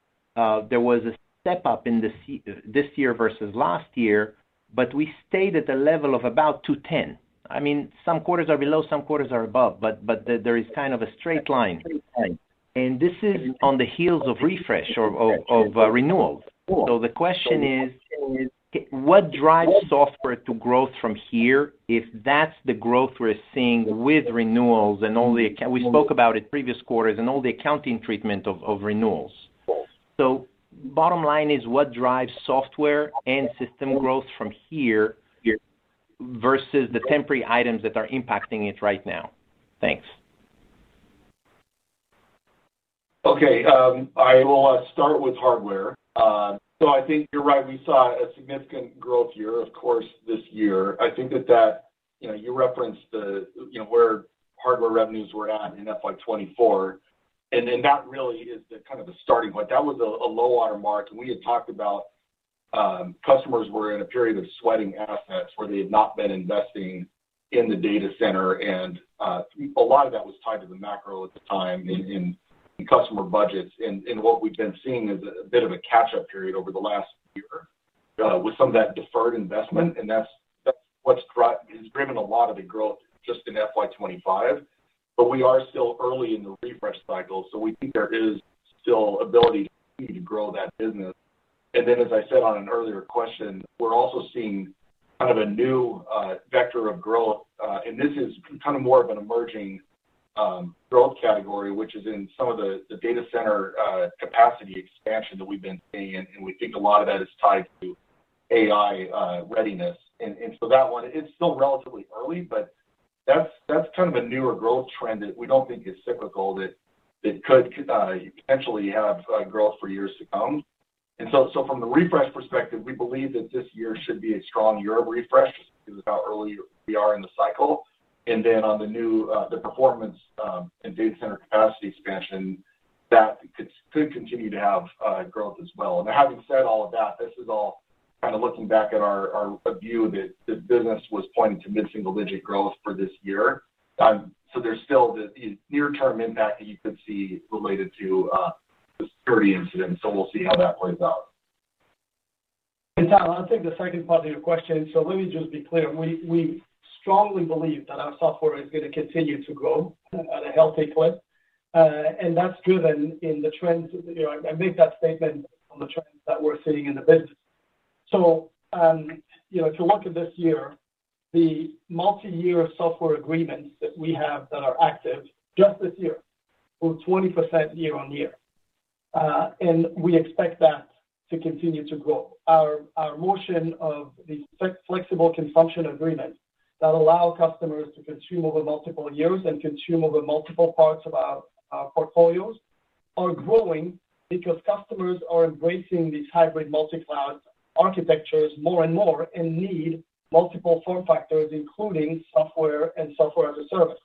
there was a step up in this year vs last year but we stayed at the level of about $210 million. I mean some quarters are below, some quarters are above, but there is kind of a straight line and this is on the heels of refresh or of renewals. The question is what drives software to growth from here? If that's the growth we're seeing with renewals and all the account, we spoke about it previous quarters and all the accounting treatment of renewals. Bottom line is what drives software and system growth from here versus the temporary items that are impacting it right now? Thanks. Okay, I will start with hardware. I think you're right. We saw a significant growth year of course this year. I think that, you know, you referenced where hardware revenues were at in FY 2024 and then that really is kind of a starting point. That was a low water mark we had talked about. Customers were in a period of sweating assets where they had not been investing in the data center. A lot of that was tied to the macro at the time in customer budgets. What we've been seeing is a bit of a catch up period over the last year with some of that deferred investment. That's what has driven a lot of the growth just in FY 2025. We are still early in the refresh cycle so we think there is still ability to grow that business. As I said on an earlier question, we're also seeing kind of a new vector of growth and this is kind of more of an emerging growth category which is in some of the data center capacity expansion that we've been seeing. We think a lot of that is tied to AI readiness. That one is still relatively early. That's kind of a newer growth trend that we don't think is cyclical that could potentially have growth for years to come. From the refresh perspective, we believe that this year should be a strong year of refresh because of how early we are in the cycle. On the new, the performance and data center capacity expansion that could continue to have growth as well. Now having said all of that, this is all kind of looking back at our view that the business was pointing to mid-single-digit growth for this year. There's still the near term impact that you could see related to. We'll see how that plays out. I'll take the second part of your question. Let me just be clear. We strongly believe that our software is going to continue to grow at a healthy clip and that's driven in the trends. I make that statement on the trends that we're seeing in the business. If you look at this year, the multi-year software agreements that we have that are active just this year, 20% year-on-year, and we expect that to continue to grow. Our motion of the flexible consumption agreement that allow customers to consume over multiple years and consume over multiple parts of our portfolios are growing because customers are embracing these hybrid multi-cloud architectures more and more and need multiple form factors, including software and software as a service.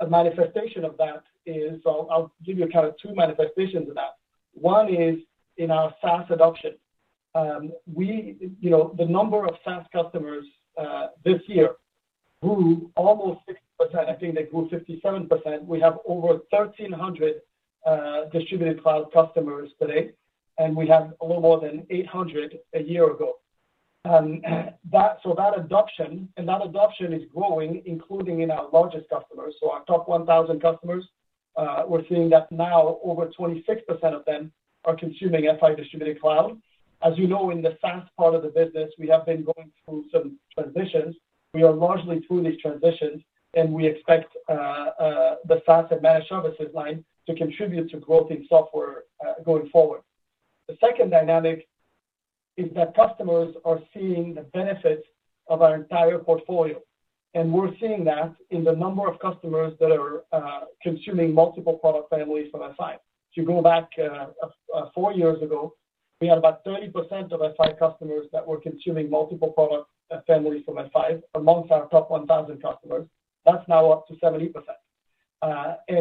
A manifestation of that is, I'll give you kind of two manifestations of that. One is in our SaaS adoption, the number of SaaS customers this year grew almost 60%. I think they grew 57%. We have over 1,300 F5 Distributed Cloud customers today and we have a little more than 800 a year ago. That adoption and that adoption is growing, including in our largest customers. Our top 1,000 customers, we're seeing that now over 26% of them are consuming F5 Distributed Cloud. As you know, in the SaaS part of the business we have been going through some transitions. We are largely through these transitions and we expect the SaaS and managed services line to contribute to growth in software going forward. The second dynamic is that customers are seeing the benefits of our entire portfolio and we're seeing that in the number of customers that are consuming multiple product families from F5. If you go back four years ago, we had about 30% of F5 customers that were consuming multiple product families from F5. Amongst our top 1,000 customers, that's now up to 70%.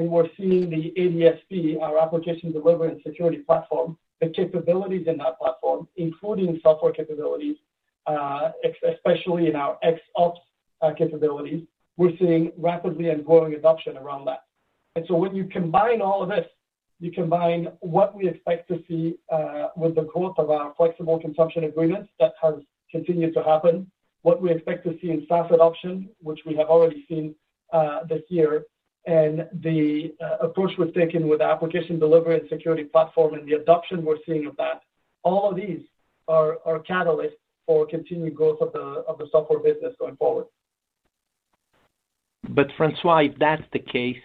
We're seeing the ADSP, our Application Delivery and Security Platform, the capabilities in that platform, including software capabilities, especially in our XOps capabilities, we're seeing rapidly and growing adoption around that. When you combine all of this, you combine what we expect to see with the growth of our flexible consumption agreements that has continued to happen, what we expect to see in SaaS adoption, which we have already seen this year, and the approach we've taken with Application Delivery and Security Platform and the adoption we're seeing of that, all of these are catalysts for continued growth of the software business going forward. François, if that's the case,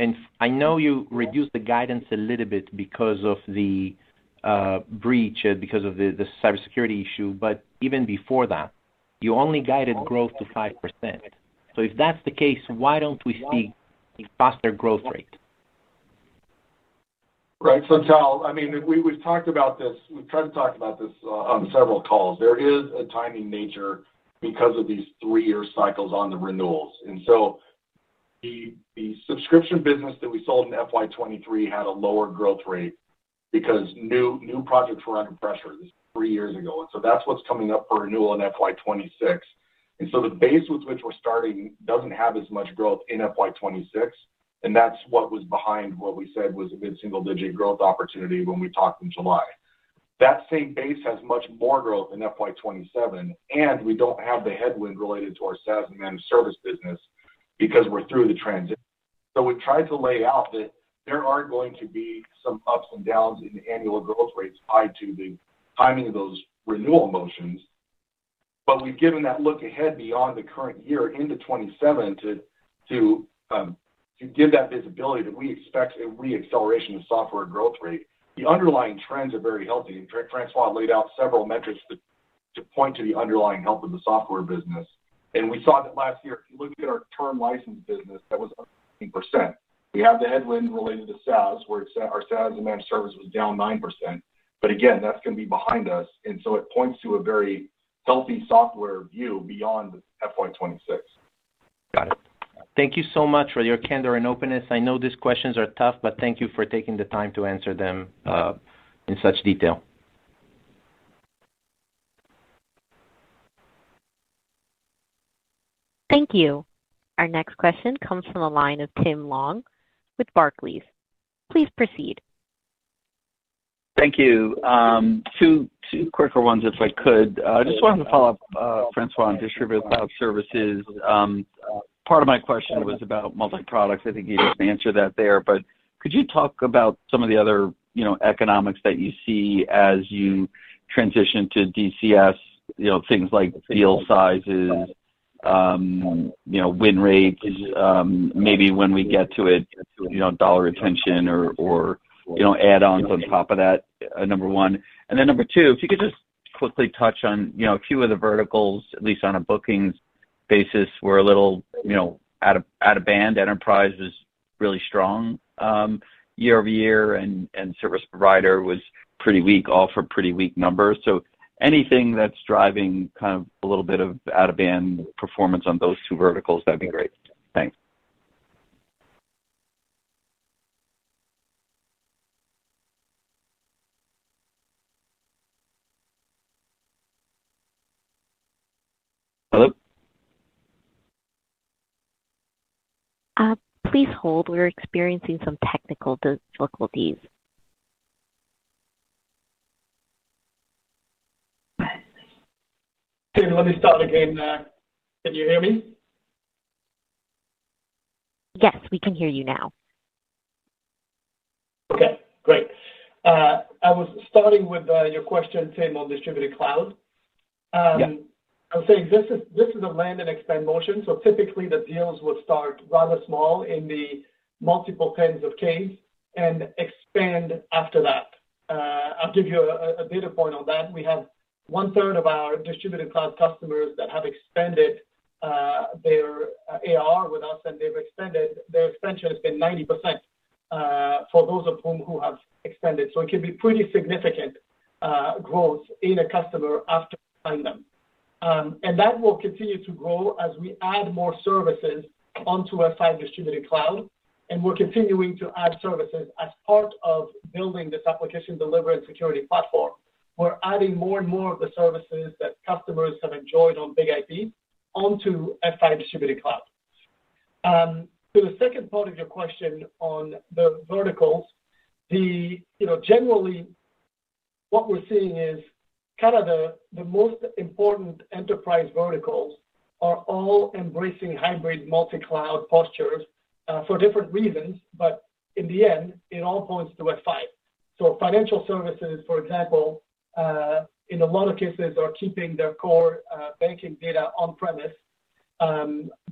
and I know you reduced the guidance a little bit because of the breach, because of the cybersecurity issue, even before that you only guided growth to 5%. If that's the case, why don't we see a faster growth rate? Right? Tal, I mean we've talked about. We've tried to talk about this on several calls. There is a timing nature because of these three-year cycles on the renewals. The subscription business that we sold in FY 2023 had a lower growth rate because new projects were under pressure. This was three years ago, and that's what's coming up for renewal in FY 2026. The base with which we're starting doesn't have as much growth in FY 2-26. That's what was behind what we said was a mid single-digit growth opportunity when we talked in July. That same base has much more growth in FY 2027, and we don't have the headwind related to our SaaS and managed services business because we're through the transition. We tried to lay out that there are going to be some ups and downs in annual growth rates tied to the timing of those renewal motions. We've given that look ahead beyond the current year into 2027 to give that visibility that we expect a reacceleration of software growth rate. The underlying trends are very healthy, and François laid out several metrics to point to the underlying health of the software business. We saw that last year. Look at our term license business, that was up 15%. We have the headwind related to SaaS where our SaaS and managed services was down 9%. That's going to be behind us, and it points to a very healthy software view beyond FY 2026. Got it. Thank you so much for your candor and openness. I know these questions are tough, but thank you for taking the time to answer them in such detail. Thank you. Our next question comes from the line of Tim Long with Barclays. Please proceed. Thank you. Two quicker ones if I could. I just wanted to follow up, François, on Distributed Cloud Services. Part of my question was about multi products. I think you answered that there. Could you talk about some of the other economics that you see as you transition to DCS? Things like deal sizes, win rates, maybe when we get to it, dollar retention or add-ons on top of that, number one. Number two, if you could just quickly touch on a few of the verticals, at least on a bookings basis, were a little, you know, out of band. Enterprise was really strong year over year and service provider was pretty weak, all for pretty weak numbers. Anything that's driving kind of a little bit of out of band performance on those two verticals, that'd be great. Thanks. Hello? Please hold. We're experiencing some technical difficulties. Let me start again. Can you hear me? Yes, we can hear you now. Okay, great. I was starting with your question, Tim, on Distributed Cloud? Yeah. I'm saying this is a land and expand motion. Typically, the deals will start rather small in the multiple tens of K's and expand after that. I'll give you a data point on that. We have one third of our Distributed Cloud customers that have expanded their ARR with us, and they've expanded. Their expansion has been 90% for those of whom who have extended. It can be pretty significant growth in a customer after buying them. That will continue to grow as we add more services onto Distributed Cloud. We're continuing to add services as part of building this F5 Application Delivery and Security Platform. We're adding more and more of the services that customers have enjoyed on BIG-IP onto F5 Distributed Cloud. To the second part of your question on the verticals, generally, what we're seeing is the most important enterprise verticals are all embracing hybrid multi-cloud postures for different reasons. In the end, it all points to F5. Financial services, for example, in a lot of cases are keeping their core banking data on premise,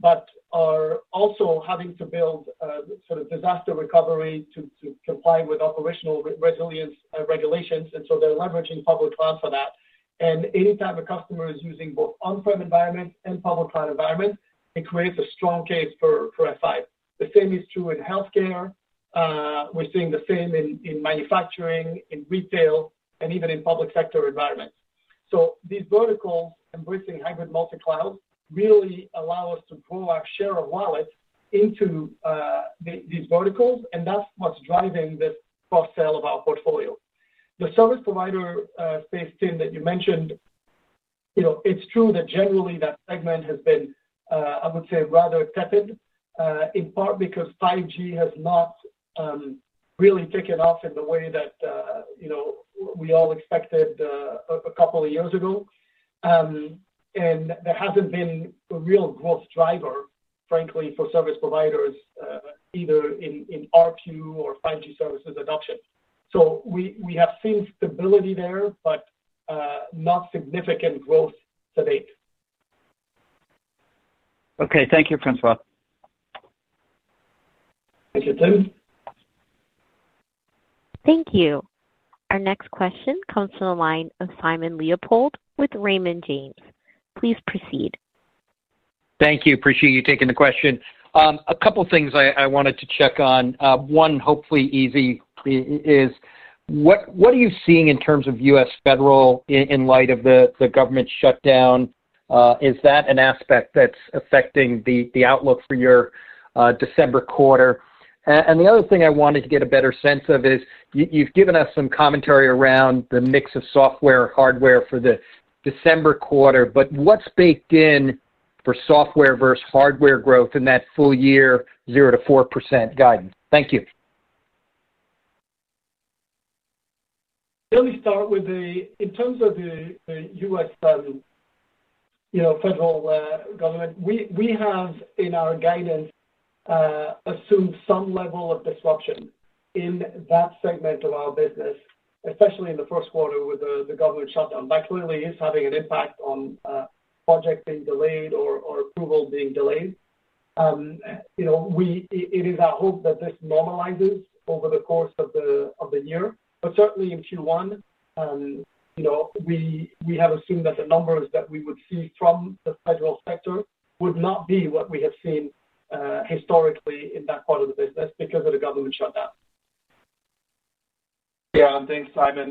but are also having to build sort of disaster recovery to comply with operational resilience regulations. They're leveraging public cloud for that. Anytime a customer is using both on-prem environment and public cloud environment, it creates a strong case for F5. The same is true in health care. We're seeing the same in manufacturing, in retail, and even in public sector environments. These verticals embracing hybrid multi-cloud really allow us to grow our share of wallet into these verticals. That's what's driving this cross-sell of our portfolio. The service provider space, Tim, that you mentioned, it's true that generally that segment has been, I would say, rather tepid in part because 5G has not really taken off in the way that, you know, we all expected a couple of years ago. There hasn't been a real growth driver, frankly, for service providers either in ARPU or 5G services adoption. We have seen stability there, but not significant growth to date. Okay, thank you, François. Thank you too. Thank you. Our next question comes from the line of Simon Leopold with Raymond James. Please proceed. Thank you. Appreciate you taking the question. A couple things I wanted to check on. One, hopefully easy, is what are you seeing in terms of U.S. Federal in light of the government shutdown? Is that an aspect that's affecting the outlook for your December quarter? I wanted to get a better sense of this. You've given us some commentary around the mix of software and hardware for the December quarter. What's baked in for software vs hardware growth in that full year? 0%-4% guidance. Thank you. Let me start with the U.S. Federal government. We have in our guidance assumed some level of disruption in that segment of our business, especially in the first quarter with the government shutdown. That clearly is having an impact on projects being delayed or approval being delayed. It is our hope that this normalizes over the course of the year. Certainly in Q1 we have assumed that the numbers that we would see from the federal sector would not be what we have seen historically in that part of the business because of the government shutdown. Yeah, thanks Simon.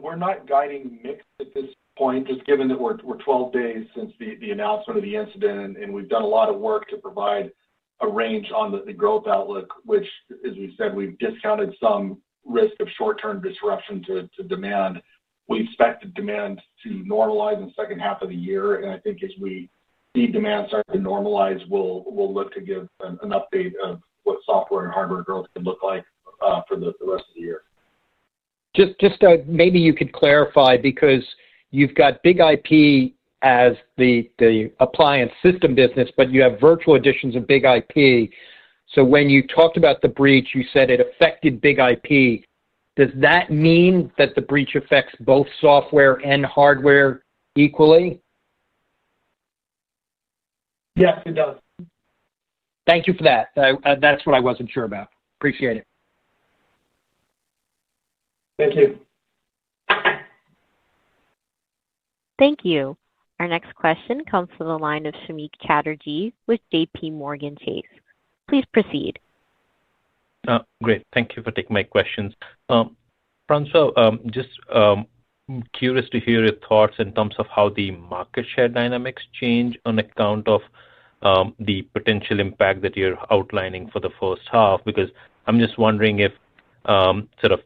We're not guiding mix at this point, just given that we're 12 days since the announcement of the incident, and we've done a lot of work to provide a range on the growth outlook, which, as we said, we've discounted some risk of short-term disruption to demand. We expect demand to normalize in the second half of the year, and I think as we see demand start to normalize, we'll look to give an update of what software and hardware growth can look like for the rest of the year. Just maybe you could clarify because you've got BIG-IP as the appliance system business, but you have virtual editions of BIG-IP, so when you talked about the breach, you said it affected BIG-IP. Does that mean that the breach affects both software and hardware equally? Yes, it does. Thank you for that. That's what I wasn't sure about. Appreciate it. Thank you. Thank you. Our next question comes from the line of Samik Chatterjee with JPMorgan Chase. Please proceed. Great. Thank you for taking my questions. François, just curious to hear your thoughts in terms of how the market share dynamics change on account of the potential impact that you're outlining for the first half. I'm just wondering if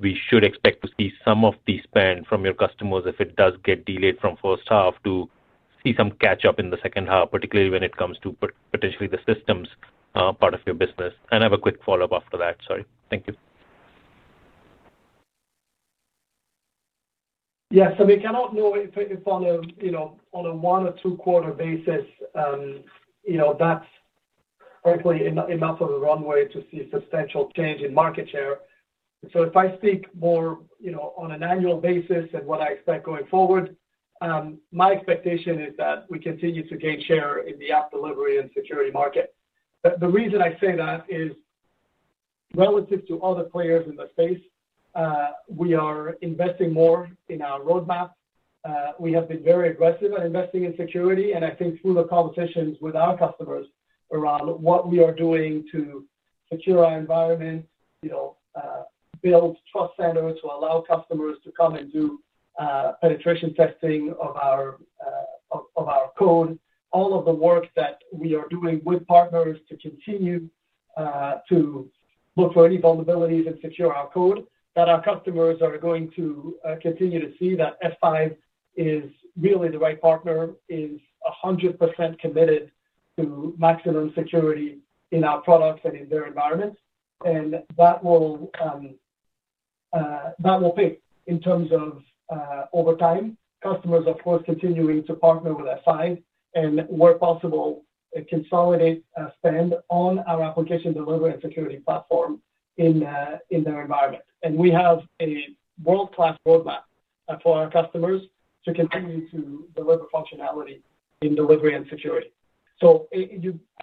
we should expect to see some of the spend from your customers, if it does get delayed from first half, to see some catch up in the second half, particularly when it comes to potentially the systems part of your business. I have a quick follow up after that. Thank you. Yes, I mean, cannot know if on. A, you know, on a one or two quarter basis, you know, that's hopefully enough of a runway to see substantial change in market share. If I speak more on an annual basis and what I expect going forward, my expectation is that we continue to gain share in the app delivery and security market. The reason I say that is relative to other players in the space, we are investing more in our roadmap. We have been very aggressive at investing in security, and I think through the conversations with our customers around what we are doing to secure our environment, build trust centers to allow customers to create, come and do penetration testing of our code, all of the work that we are doing with partners to continue to look for any vulnerabilities and secure our code, our customers are going to continue to see that F5 is really the right partner, is 100% committed to maximum security in our products and in their environments. That will pick up in terms of, over time, customers of course continuing to partner with F5 and where possible consolidate spend on our application delivery and security platform in their environment. We have a world-class roadmap for our customers to continue to deliver functionality in delivery and security. I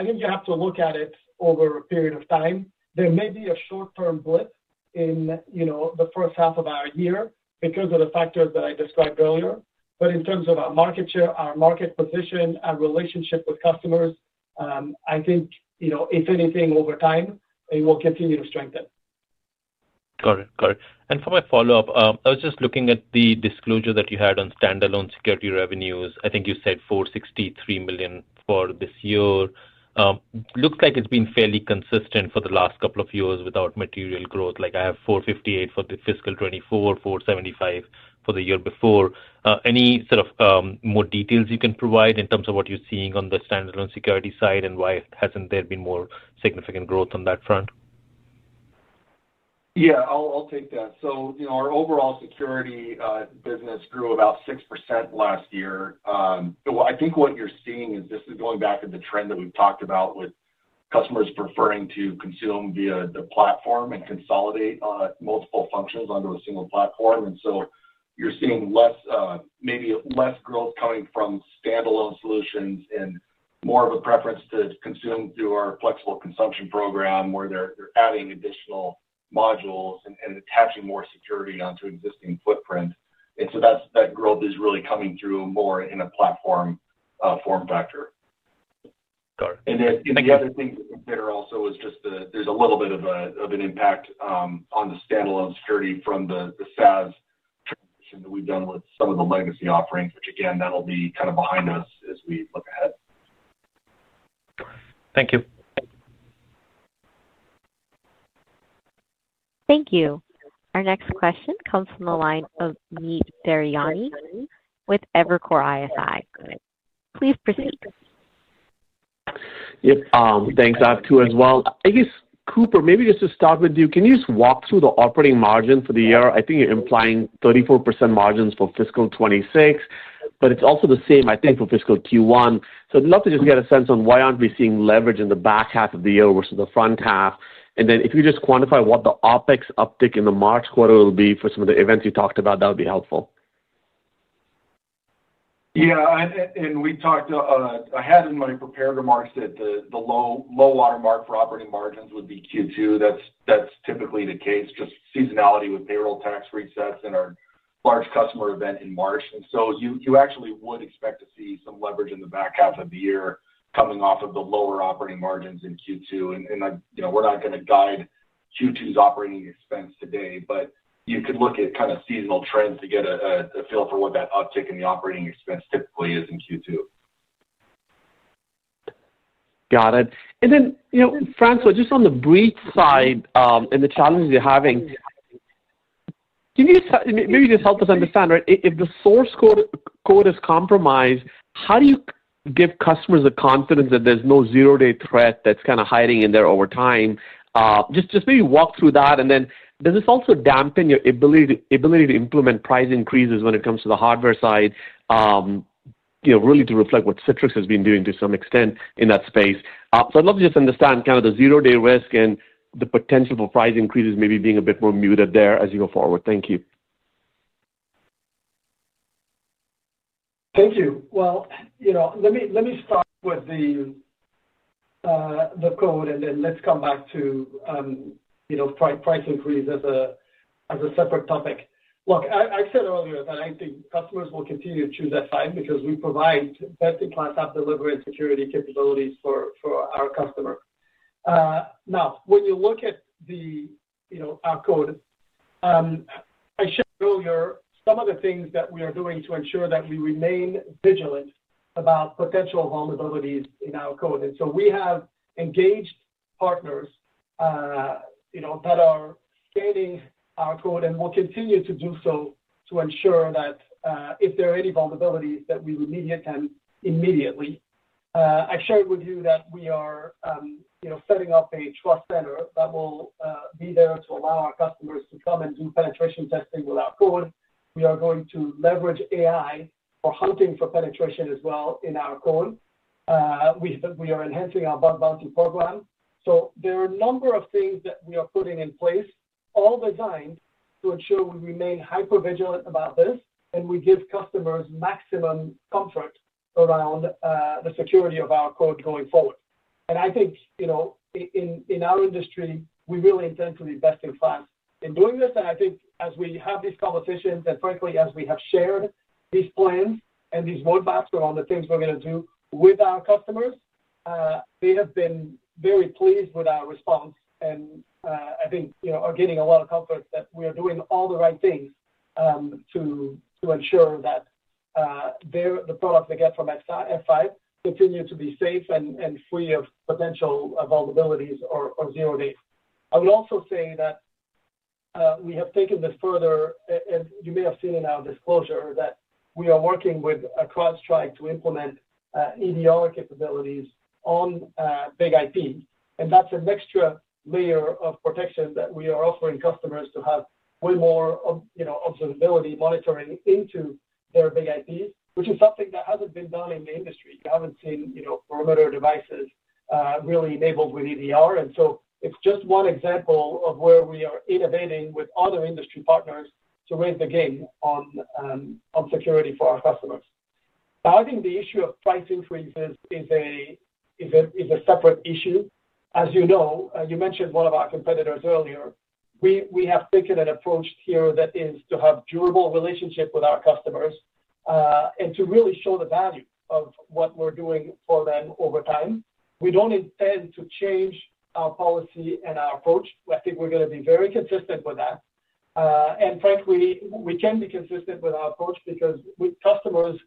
think you have to look at it over a period of time. There may be a short-term blip in the first half of our year because of the factors that I described earlier. In terms of our market share, our market position, our relationship with customers, I think if anything over time it will continue to strengthen. Got it. For my follow up, I was just looking at the disclosure that you had on standalone security revenues. I think you said $463 million for this year. It looks like it's been fairly consistent for the last couple of years without material growth. I have $458 million for fiscal 2024, $475 million for the year before. Any sort of more details you can provide in terms of what you're seeing on the standalone security side? Why hasn't there been more significant growth on that front? Yeah, I'll take that. Our overall security business grew about 6% last year. I think what you're seeing is this is going back to the trend that we've talked about with customers preferring to consume via the platform and consolidate multiple functions onto a single platform. You're seeing maybe less growth coming from standalone solutions and more of a preference to consume through our flexible consumption program where they're adding additional modules and attaching more security onto existing footprint. That growth is really coming through more in a platform form factor. The other thing to consider also is just there's a little bit of an impact on the standalone security from the SaaS transition that we've done with some of the legacy offerings, which again, that'll be kind of behind us as we look ahead. Thank you. Thank you. Our next question comes from the line of Amit Daryanani with Evercore ISI. Please proceed. Yep, thanks. AVTU as well, I guess, Cooper, maybe just to start with you. Can you just walk through the operating margin for the year? I think you're implying 34% margins for fiscal 2026, but it's also the same I think for fiscal Q1. I'd love to just get a sense on why aren't we seeing leverage in the back half of the year versus the front half. If you just quantify what the OpEx uptick in the March quarter will be for some of the events you talked about that would be helpful. Yeah, we talked. I had in my prepared remarks that the low water mark for operating margins would be Q2. That's typically the case, just seasonality with payroll tax resets and our large customer event in March. You actually would expect to see some leverage in the back half of the year coming off of the lower operating margins in Q2. We're not going to guide Q2's operating expense today, but you could look at kind of seasonal trends to get a feel for what that uptick in the operating expense typically is in Q2. Got it. François, just on the breach side and the challenges you're having maybe just help us understand the source code is compromised, how do you give customers the confidence that there's no zero day threat that's kind of hiding in there over time? Just maybe walk through that does this also dampen your ability to implement price increases when it comes to the hardware side, really to reflect what Citrix has been doing to some extent in that space? I'd love to just understand kind of the zero day risk and the potential for price increases maybe being a bit more muted there as you go forward. Thank you. Thank you. Let me start with the code and then let's come back to, you know, price increase as a separate topic. Look, I said earlier that I think customers will continue to choose SI because we provide best-in-class app delivery and security capabilities for our customer. Now, when you look at the code I showed earlier, some of the things that we are doing to ensure that we remain vigilant about potential vulnerabilities in our code. We have engaged partners that are scanning our code and will continue to do so to ensure that if there are any vulnerabilities, we remediate them immediately. I shared with you that we are setting up a trust center that will be there to allow our customers to come and do penetration testing with our code. We are going to leverage AI for hunting for penetration as well. In our code, we are enhancing our bug bounty program. There are a number of things that we are putting in place, all designed to ensure we remain hyper-vigilant about this and we give customers maximum comfort around the security of our code going forward. I think in our industry we really intend to be best-in-class in doing this. As we have these conversations and frankly as we have shared these plans and these roadmaps around the things we're going to do with our customers, they have been very pleased with our response and I think are getting a lot of comfort that we are doing all the right things to ensure that the products they get from F5 continue to be safe and free of potential vulnerabilities or zero days. I would also say that we have taken this further, as you may have seen in our disclosure, that we are working with CrowdStrike to implement EDR capabilities on F5 BIG-IP. That's an extra layer of protection that we are offering customers to have way more observability and monitoring into their F5 BIG-IPs, which is something that hasn't been done in the industry. You haven't seen perimeter devices really enabled with EDR. It's just one example of where we are innovating with other industry partners to raise the game on security for our customers. I think the issue of price increases is a separate issue. As you know, you mentioned one of our competitors earlier. We have taken an approach here that is to have durable relationships with our customers and to really show the value of what we're doing for them over time. We don't intend to change our policy and our approach. I think we're going to be very consistent with that, and frankly, we can be consistent with our approach because customers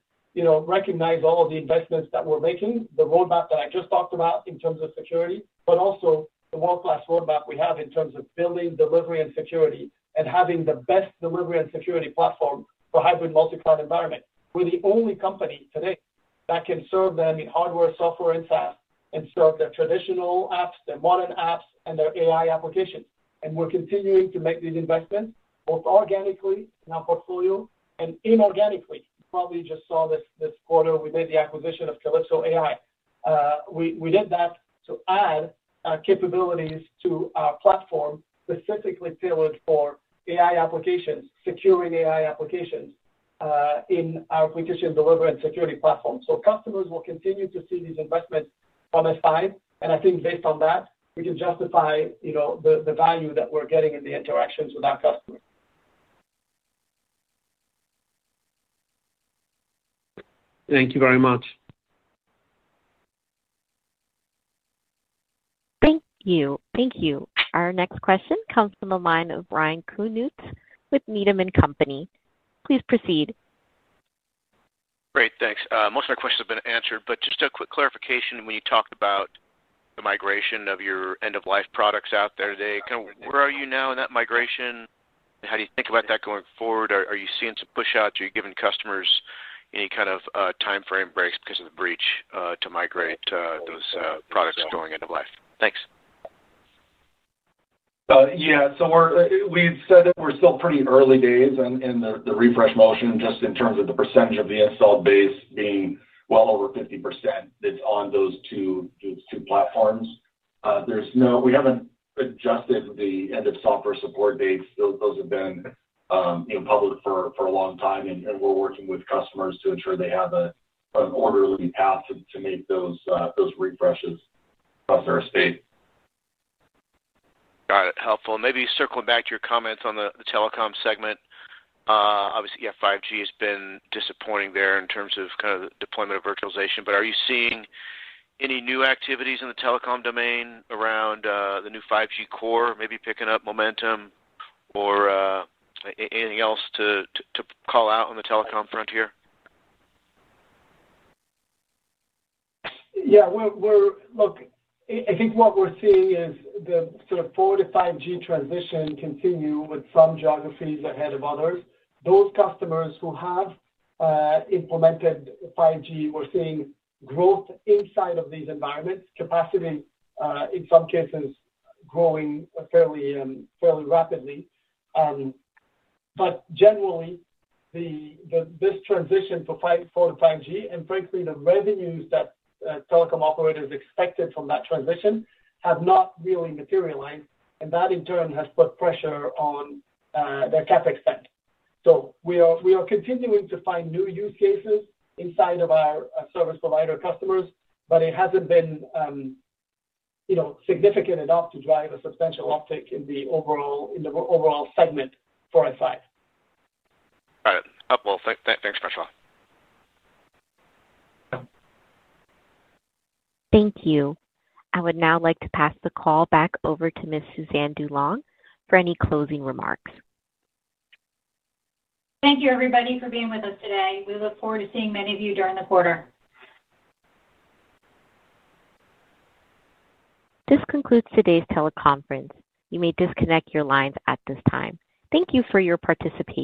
recognize all of the investments that we're making. The roadmap that I just talked about in terms of security, but also the world-class roadmap we have in terms of building delivery and security and having the best delivery and security platform for hybrid multi-cloud environment. We're the only company today that can serve them in hardware, software, and SaaS and serve their traditional apps, their modern apps, and their AI applications. We're continuing to make these investments both organically in our portfolio and inorganically. You probably just saw this quarter we made the acquisition of Calypso AI. We did that to add capabilities to our platform specifically tailored for AI applications, securing AI applications in our application delivery and security platform. Customers will continue to see these investments from F5, and I think based on that, we can justify the value that we're getting in the interactions with our customers. Thank you very much. Thank you. Thank you. Our next question comes from the line of Ryan Koontz with Needham & Company. Please proceed. Great, thanks. Most of my questions have been answered. Just a quick clarification. When you talked about the migration of your end of life products out there today, where are you now in that migration? How do you think about that going forward? Are you seeing some push outs? Are you giving customers any kind of time frame breaks because of the breach to migrate those products going into life? Thanks. Yeah, we said that we're still pretty early days in the refresh motion, just in terms of the percentage of the installed base being well over 50%. That's on those two platforms. We haven't adjusted the end of software support dates. Those have been public for a long time, and we're working with customers to ensure they have an orderly path to make those refreshes across our estate. Got it, helpful. Maybe circling back to your comments on the telecom segment. Obviously, 5G has been disappointing there in terms of the deployment of virtualization. Are you seeing any new activities in the telecom domain around the new 5G core, maybe picking up momentum or anything else to call out on the telecom frontier? Yeah, look, I think what we're seeing is the sort of 4G-5G transition continue. With some geographies ahead of others. Those customers who have implemented 5G, we're seeing growth inside of these environments, capacity in some cases growing fairly rapidly. However, generally this transition for the 5G and frankly the revenues that telecom operators expected from that transition have not really materialized, and that in turn has put pressure on their CapEx spend. We are continuing to find new use cases inside of our service provider customers, but it hasn't been significant enough to drive a substantial uptick in the overall segment for F5. Got it. Thanks, François. Yeah. Thank you. I would now like to pass the call back over to Ms. Suzanne DuLong for any closing remarks. Thank you everybody for being with us today. We look forward to seeing many of you during the quarter. This concludes today's teleconference. You may disconnect your lines at this time. Thank you for your participation.